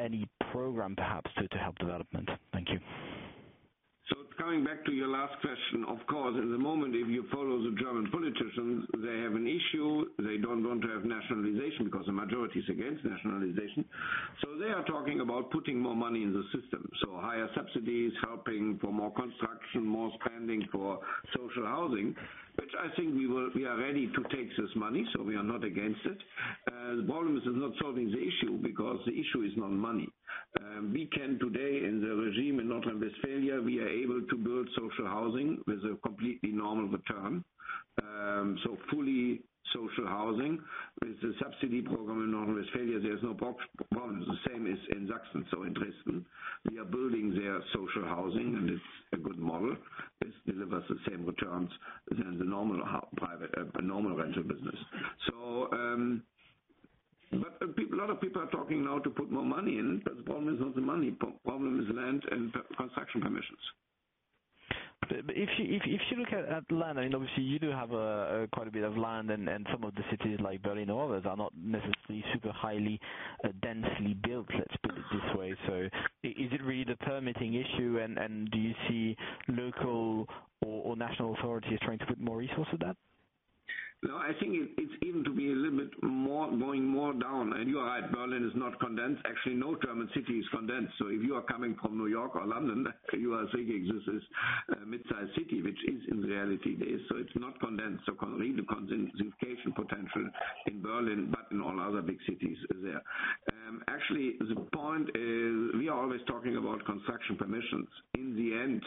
any program perhaps to help development? Thank you. Coming back to your last question, of course, at the moment, if you follow the German politicians, they have an issue. They do not want to have nationalization because the majority is against nationalization. They are talking about putting more money in the system. Higher subsidies, helping for more construction, more spending for social housing, which I think we are ready to take this money, so we are not against it. The problem is it is not solving the issue because the issue is not money. We can today in the regime in North Rhine-Westphalia, we are able to build social housing with a completely normal return. Fully social housing. With the subsidy program in North Rhine-Westphalia, there is no problem. The same is in Sachsen, in Dresden. We are building there social housing, and it is a good model. This delivers the same returns than the normal rental business. A lot of people are talking now to put more money in, but the problem is not the money. The problem is land and construction permissions. If you look at land, and obviously you do have quite a bit of land, and some of the cities like Berlin or others are not necessarily super highly densely built, let's put it this way. Is it really the permitting issue, and do you see local or national authorities trying to put more resource to that? No, I think it's even to be a little bit going more down. You are right, Berlin is not condensed. Actually, no German city is condensed. If you are coming from New York or London, you are thinking this is a midsize city, which is in reality it is. It's not condensed. Really the condensation potential in Berlin, but in all other big cities there. Actually, the point is, we are always talking about construction permissions. In the end,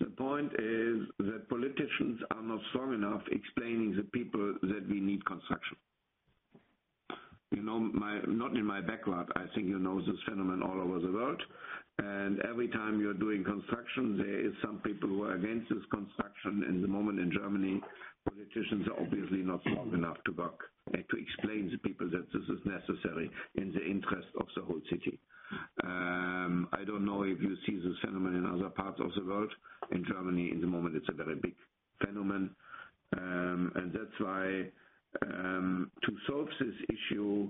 the point is that politicians are not strong enough explaining to people that we need construction. Not in my backyard, I think you know this phenomenon all over the world. Every time you're doing construction, there is some people who are against this construction. In the moment in Germany, politicians are obviously not strong enough to work and to explain to people that this is necessary in the interest of the whole city. I don't know if you see this phenomenon in other parts of the world. In Germany, in the moment, it's a very big phenomenon. That's why to solve this issue,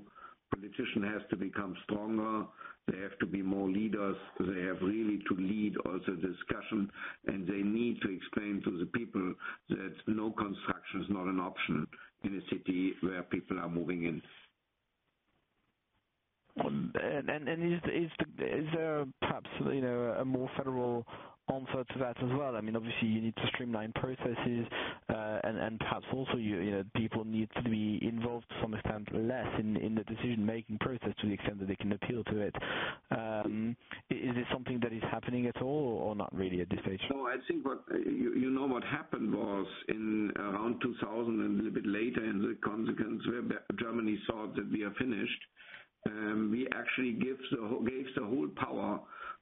politician has to become stronger. They have to be more leaders. They have really to lead also the discussion, and they need to explain to the people that no construction is not an option in a city where people are moving in. Is there perhaps a more federal answer to that as well? Obviously you need to streamline processes, and perhaps also people need to be involved to some extent, less in the decision-making process to the extent that they can appeal to it. Is it something that is happening at all or not really at this stage? No, I think you know what happened was in around 2000 and a little bit later in the consequence, where Germany thought that we are finished, we actually gave the whole power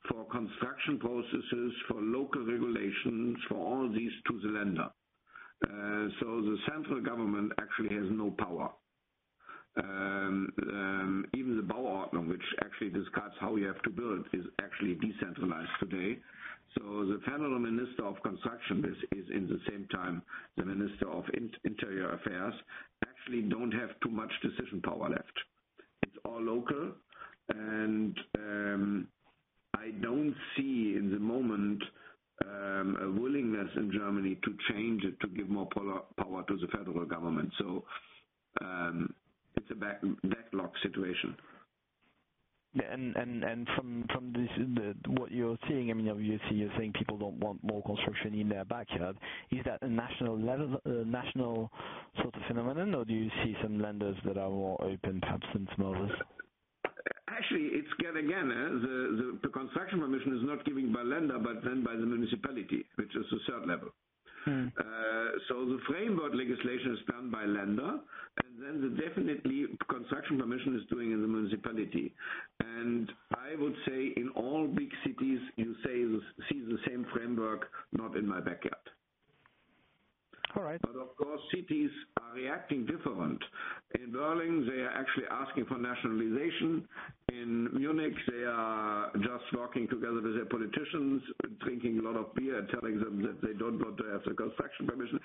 for construction processes, for local regulations, for all these to the Länder. The central government actually has no power. Even the Bauordnung, which actually discusses how we have to build, is actually decentralized today. The federal minister of construction is in the same time the minister of interior affairs, actually don't have too much decision power left. It's all local, and I don't see in the moment a willingness in Germany to change it to give more power to the federal government. It's a backlog situation. Yeah. From what you're seeing, obviously you're saying people don't want more construction in their backyard. Is that a national sort of phenomenon, or do you see some Länder that are more open, perhaps in some areas? It's again, the construction permission is not given by Länder, but by the municipality, which is the third level. The framework legislation is done by Länder, definitely construction permission is done in the municipality. I would say in all big cities, you see the same framework, not in my backyard. All right. Of course, cities are reacting different. In Berlin, they are actually asking for nationalization. In Munich, they are just talking together with their politicians, drinking a lot of beer, telling them that they don't want to have the construction permission.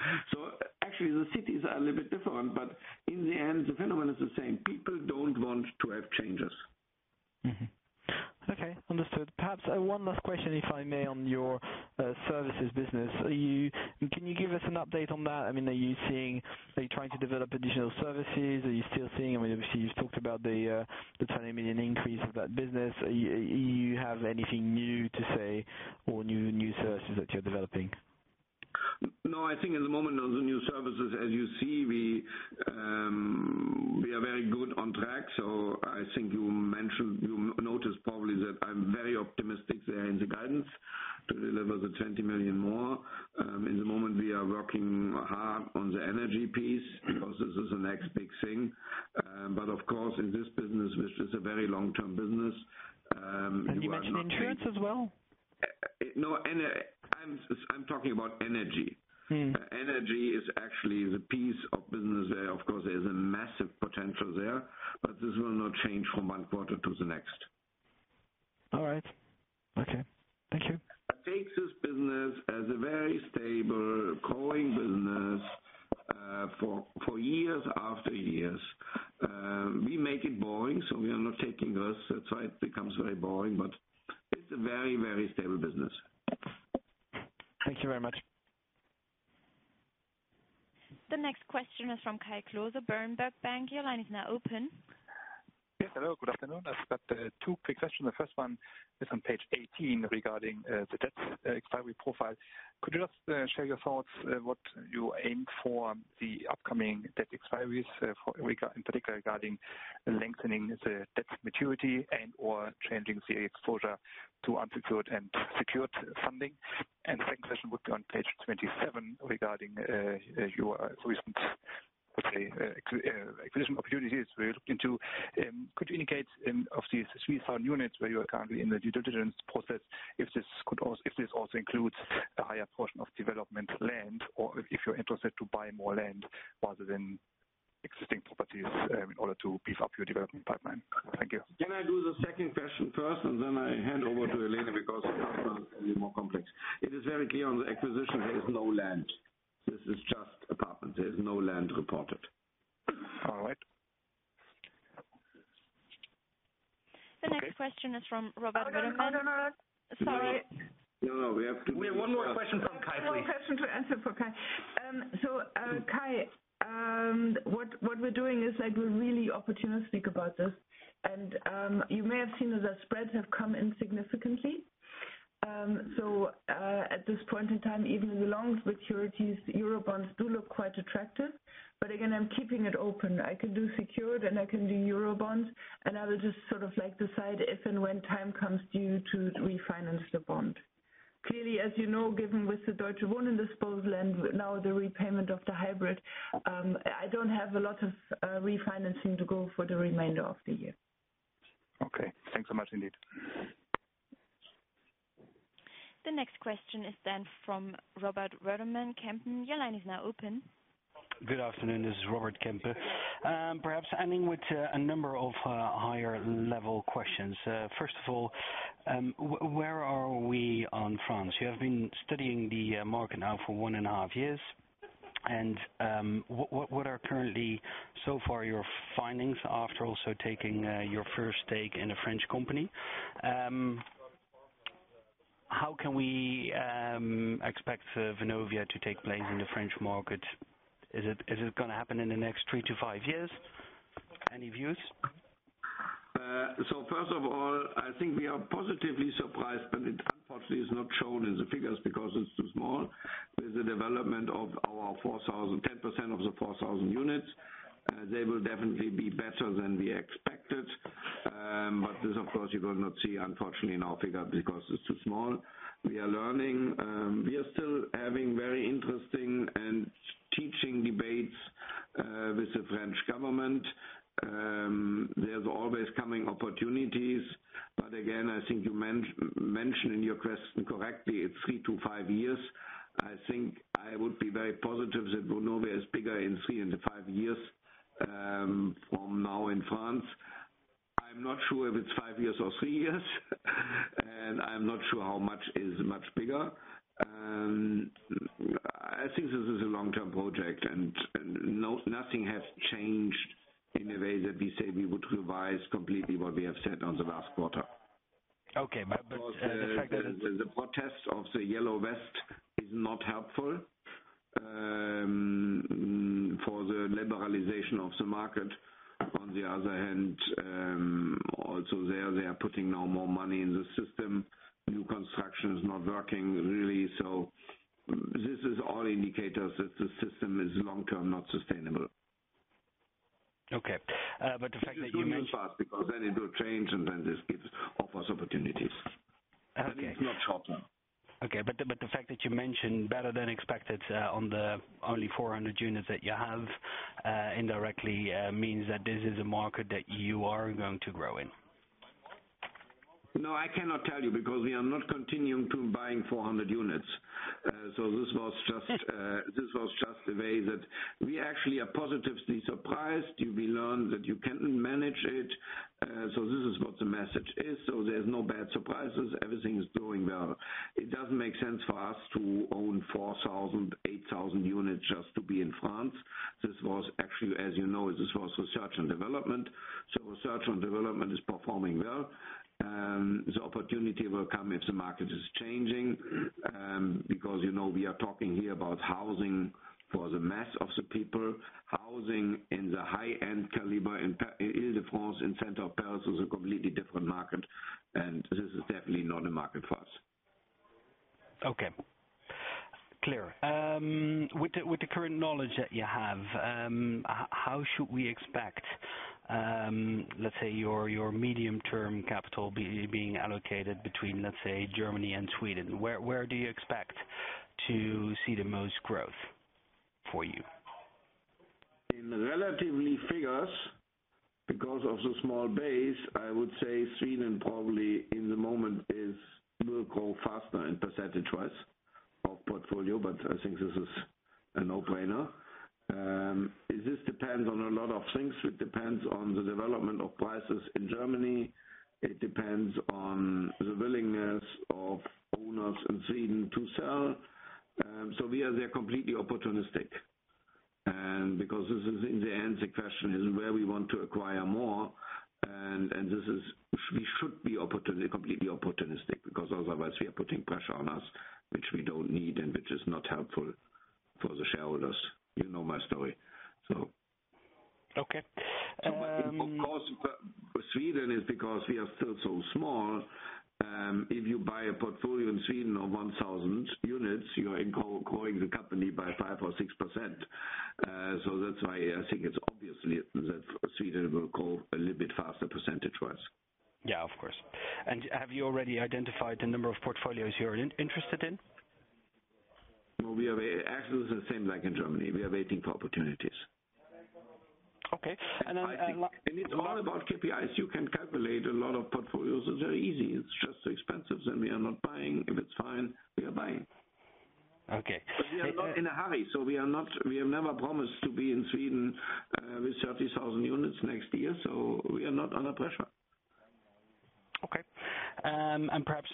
Actually, the cities are a little bit different, but in the end, the phenomenon is the same. People don't want to have changes. Mm-hmm. Okay. Understood. Perhaps one last question, if I may, on your services business. Can you give us an update on that? Are you trying to develop additional services? Are you still seeing Obviously, you talked about the 20 million increase of that business. You have anything new to say or new services that you're developing? No, I think at the moment on the new services, as you see, we are very good on track. I think you noticed probably that I'm very optimistic there in the guidance to deliver the 20 million more. At the moment, we are working hard on the energy piece because this is the next big thing. You mentioned insurance as well? No. I'm talking about energy. Energy is actually the piece of business there. Of course, there's a massive potential there, but this will not change from one quarter to the next. All right. Okay. Thank you. I take this business as a very stable growing business for years after years. We make it boring, so we are not taking risks. That's why it becomes very boring, but it's a very stable business. Thank you very much. The next question is from Kai Klose, Berenberg Bank. Your line is now open. Yes. Hello. Good afternoon. I've got two quick questions. The first one is on page 18 regarding the debts expiry profile. Could you just share your thoughts what you aim for the upcoming debt expiries, in particular regarding lengthening the debts maturity and/or changing the exposure to unsecured and secured funding? The second question would be on page 27 regarding your recent, let's say, acquisition opportunities where you looked into. Could you indicate of these 3,000 units where you are currently in the due diligence process, if this also includes a higher portion of development land, or if you're interested to buy more land rather than existing properties in order to beef up your development pipeline? Thank you. Can I do the second question first, and then I hand over to Helene because it's a little more complex. It is very clear on the acquisition, there is no land. This is just apartments. There is no land reported. All right. The next question is from Robbe- No. Sorry. No, we have to- We have one more question from Kai, please. One more question to answer for Kai. Kai, what we're doing is we're really opportunistic about this. You may have seen that the spreads have come in significantly. At this point in time, even the long securities Eurobonds do look quite attractive. Again, I'm keeping it open. I can do secured and I can do Eurobonds, and I will just decide if and when time comes due to refinance the bond. Clearly, as you know, given with the Deutsche Wohnen disposal and now the repayment of the hybrid, I don't have a lot of refinancing to go for the remainder of the year. Okay. Thanks so much, indeed. The next question is from Robbe Rodemann, Kempen. Your line is now open. Good afternoon. This is Robert from Kempen. Perhaps I mean with a number of higher level questions. First of all, where are we on France? You have been studying the market now for one and a half years. What are currently so far your findings after also taking your first stake in a French company? How can we expect Vonovia to take place in the French market? Is it going to happen in the next three to five years? Any views? First of all, I think we are positively surprised, it unfortunately is not shown in the figures because it's too small. With the development of our 10% of the 4,000 units, they will definitely be better than we expected. This, of course, you will not see, unfortunately, in our figure because it's too small. We are learning. We are still having very interesting and teaching debates with the French government. There's always coming opportunities. Again, I think you mentioned in your question correctly, it's three to five years. I think I would be very positive that Vonovia is bigger in three and five years from now in France. I'm not sure if it's five years or three years and I'm not sure how much is much bigger. I think this is a long-term project, nothing has changed in the way that we say we would revise completely what we have said on the last quarter. Okay. The fact that- The protest of the yellow vest is not helpful for the liberalization of the market. On the other hand, also there, they are putting now more money in the system. New construction is not working really. This is all indicators that the system is long-term not sustainable. Okay. The fact that you mentioned. It is too fast because then it will change, and then this gives office opportunities. Okay. It's not short-term. The fact that you mentioned better than expected on the only 400 units that you have indirectly means that this is a market that you are going to grow in. No, I cannot tell you because we are not continuing to buying 400 units. This was just the way that we actually are positively surprised. You will learn that you can manage it. This is what the message is. There's no bad surprises. Everything is going well. It doesn't make sense for us to own 4,000, 8,000 units just to be in France. This was actually, as you know, this was research and development. Research and development is performing well. The opportunity will come if the market is changing because we are talking here about housing for the mass of the people. Housing in the high-end caliber in Île-de-France, in central Paris, is a completely different market, and this is definitely not a market for us. Okay. Clear. With the current knowledge that you have, how should we expect, let's say, your medium-term capital being allocated between, let's say, Germany and Sweden? Where do you expect to see the most growth for you? In the relative figures, because of the small base, I would say Sweden probably at the moment will grow faster in percentage-wise of portfolio, but I think this is a no-brainer. This depends on a lot of things. It depends on the development of prices in Germany. It depends on the willingness of owners in Sweden to sell. We are completely opportunistic. Because this is, in the end, the question is where we want to acquire more, and we should be completely opportunistic because otherwise, we are putting pressure on us which we don't need and which is not helpful for the shareholders. You know my story. Okay. Of course, Sweden is because we are still so small. If you buy a portfolio in Sweden of 1,000 units, you are growing the company by 5% or 6%. That's why I think it's obvious that Sweden will grow a little bit faster percentage-wise. Yeah, of course. Have you already identified the number of portfolios you're interested in? No. Actually, the same like in Germany. We are waiting for opportunities. Okay. It's all about KPIs. You can calculate a lot of portfolios. It's very easy. It's just expensive, and we are not buying. If it's fine, we are buying. Okay. We are not in a hurry. We have never promised to be in Sweden with 30,000 units next year. We are not under pressure. Okay. Perhaps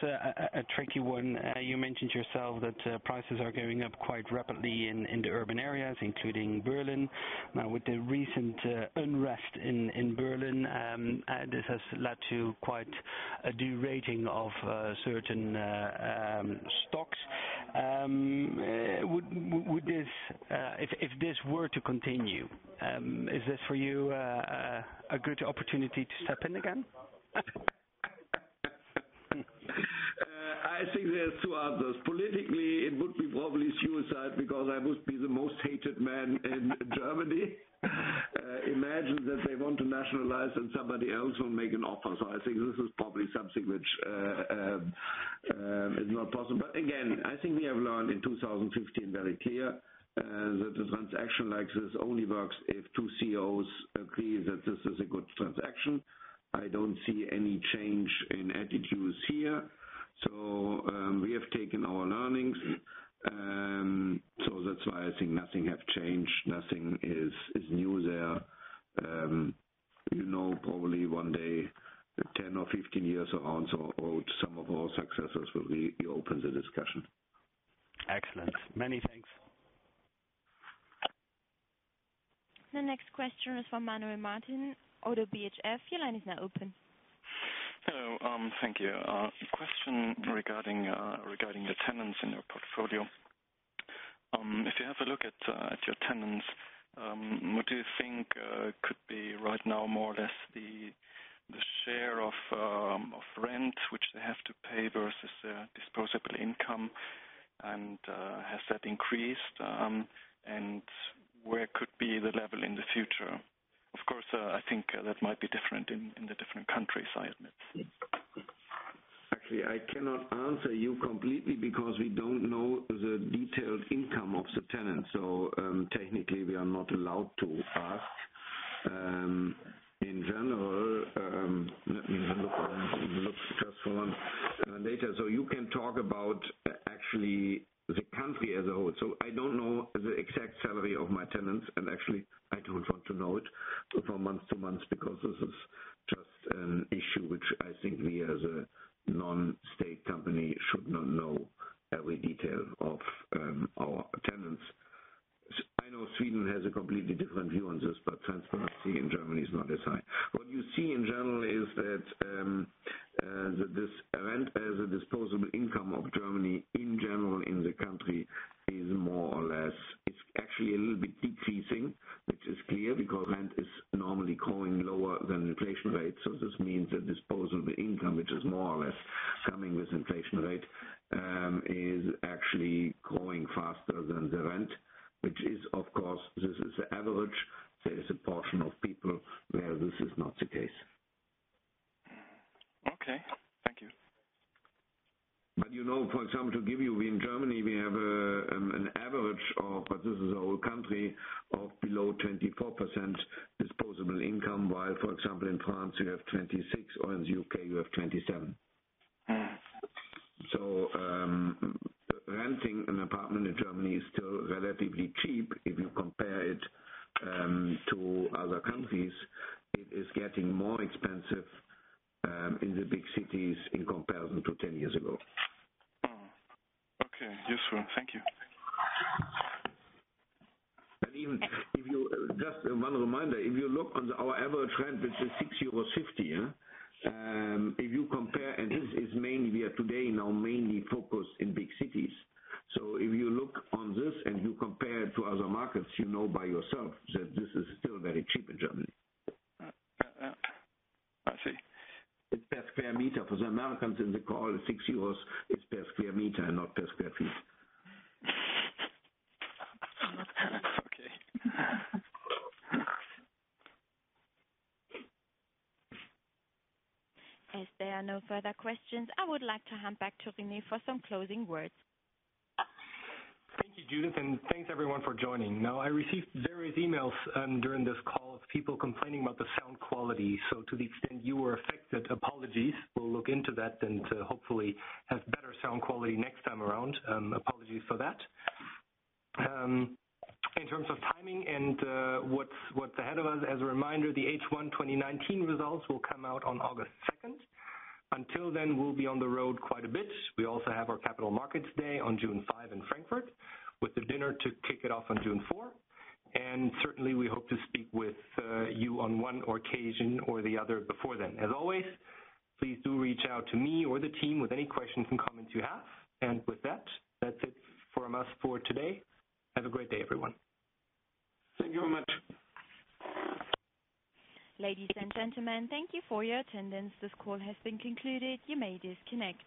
a tricky one. You mentioned yourself that prices are going up quite rapidly in the urban areas, including Berlin. Now, with the recent unrest in Berlin, this has led to quite a derating of certain stocks. If this were to continue, is this for you a good opportunity to step in again? I think there are two answers. Politically, it would be probably suicide because I would be the most hated man in Germany. Imagine that they want to nationalize and somebody else will make an offer. I think this is probably something which is not possible. Again, I think we have learned in 2015 very clearly that a transaction like this only works if two CEOs agree that this is a good transaction. I don't see any change in attitudes here. We have taken our learnings. That's why I think nothing has changed. Nothing is new there. You know probably one day, 10 or 15 years from now, some of our successors will reopen the discussion. Excellent. Many thanks. The next question is from Manuel Martin, ODDO BHF. Your line is now open. Hello. Thank you. A question regarding the tenants in your portfolio. If you have a look at your tenants, what do you think could be right now more or less the share of rent which they have to pay versus their disposable income, and has that increased? Where could be the level in the future? Of course, I think that might be different in the different countries, I admit. Actually, I cannot answer you completely because we don't know the detailed income of the tenants. Technically, we are not allowed to ask. In general, let me have a look first for one data. You can talk about actually the country as a whole. I don't know the exact salary of my tenants, and actually, I don't want to know it from month to month because this is just an issue which I think we as a non-state company should not know every detail of our tenants. I know Sweden has a completely different view on this, but transparency in Germany is not as high. What you see in general is that this rent as a disposable income of Germany in general in the country is more or less decreasing, which is clear because rent is normally growing lower than inflation rates. This means the disposable income, which is more or less coming with inflation rate, is actually growing faster than the rent, which is, of course, this is the average. There is a portion of people where this is not the case. Okay. Thank you. For example, to give you, in Germany, we have an average of, but this is the whole country, of below 24% disposable income, while, for example, in France, you have 26% or in the U.K., you have 27%. Renting an apartment in Germany is still relatively cheap if you compare it to other countries. It is getting more expensive in the big cities in comparison to 10 years ago. Okay. Useful. Thank you. Even, just one reminder, if you look on our average rent, which is 6.50 euros, if you compare, and this is mainly we are today now mainly focused in big cities. If you look at this and you compare it to other markets, you know by yourself that this is still very cheap in Germany. I see. It's per square meter. For the Americans in the call, 6 euros is per square meter and not per square feet. Okay. As there are no further questions, I would like to hand back to Rene for some closing words. Thank you, Judith, thanks, everyone, for joining. I received various emails during this call of people complaining about the sound quality. To the extent you were affected, apologies. We'll look into that and hopefully have better sound quality next time around. Apologies for that. In terms of timing and what's ahead of us, as a reminder, the H1 2019 results will come out on August 2nd. Until then, we'll be on the road quite a bit. We also have our Capital Markets Day on June 5 in Frankfurt, with the dinner to kick it off on June 4. Certainly, we hope to speak with you on one occasion or the other before then. As always, please do reach out to me or the team with any questions and comments you have. With that's it from us for today. Have a great day, everyone. Thank you very much. Ladies and gentlemen, thank you for your attendance. This call has been concluded. You may disconnect.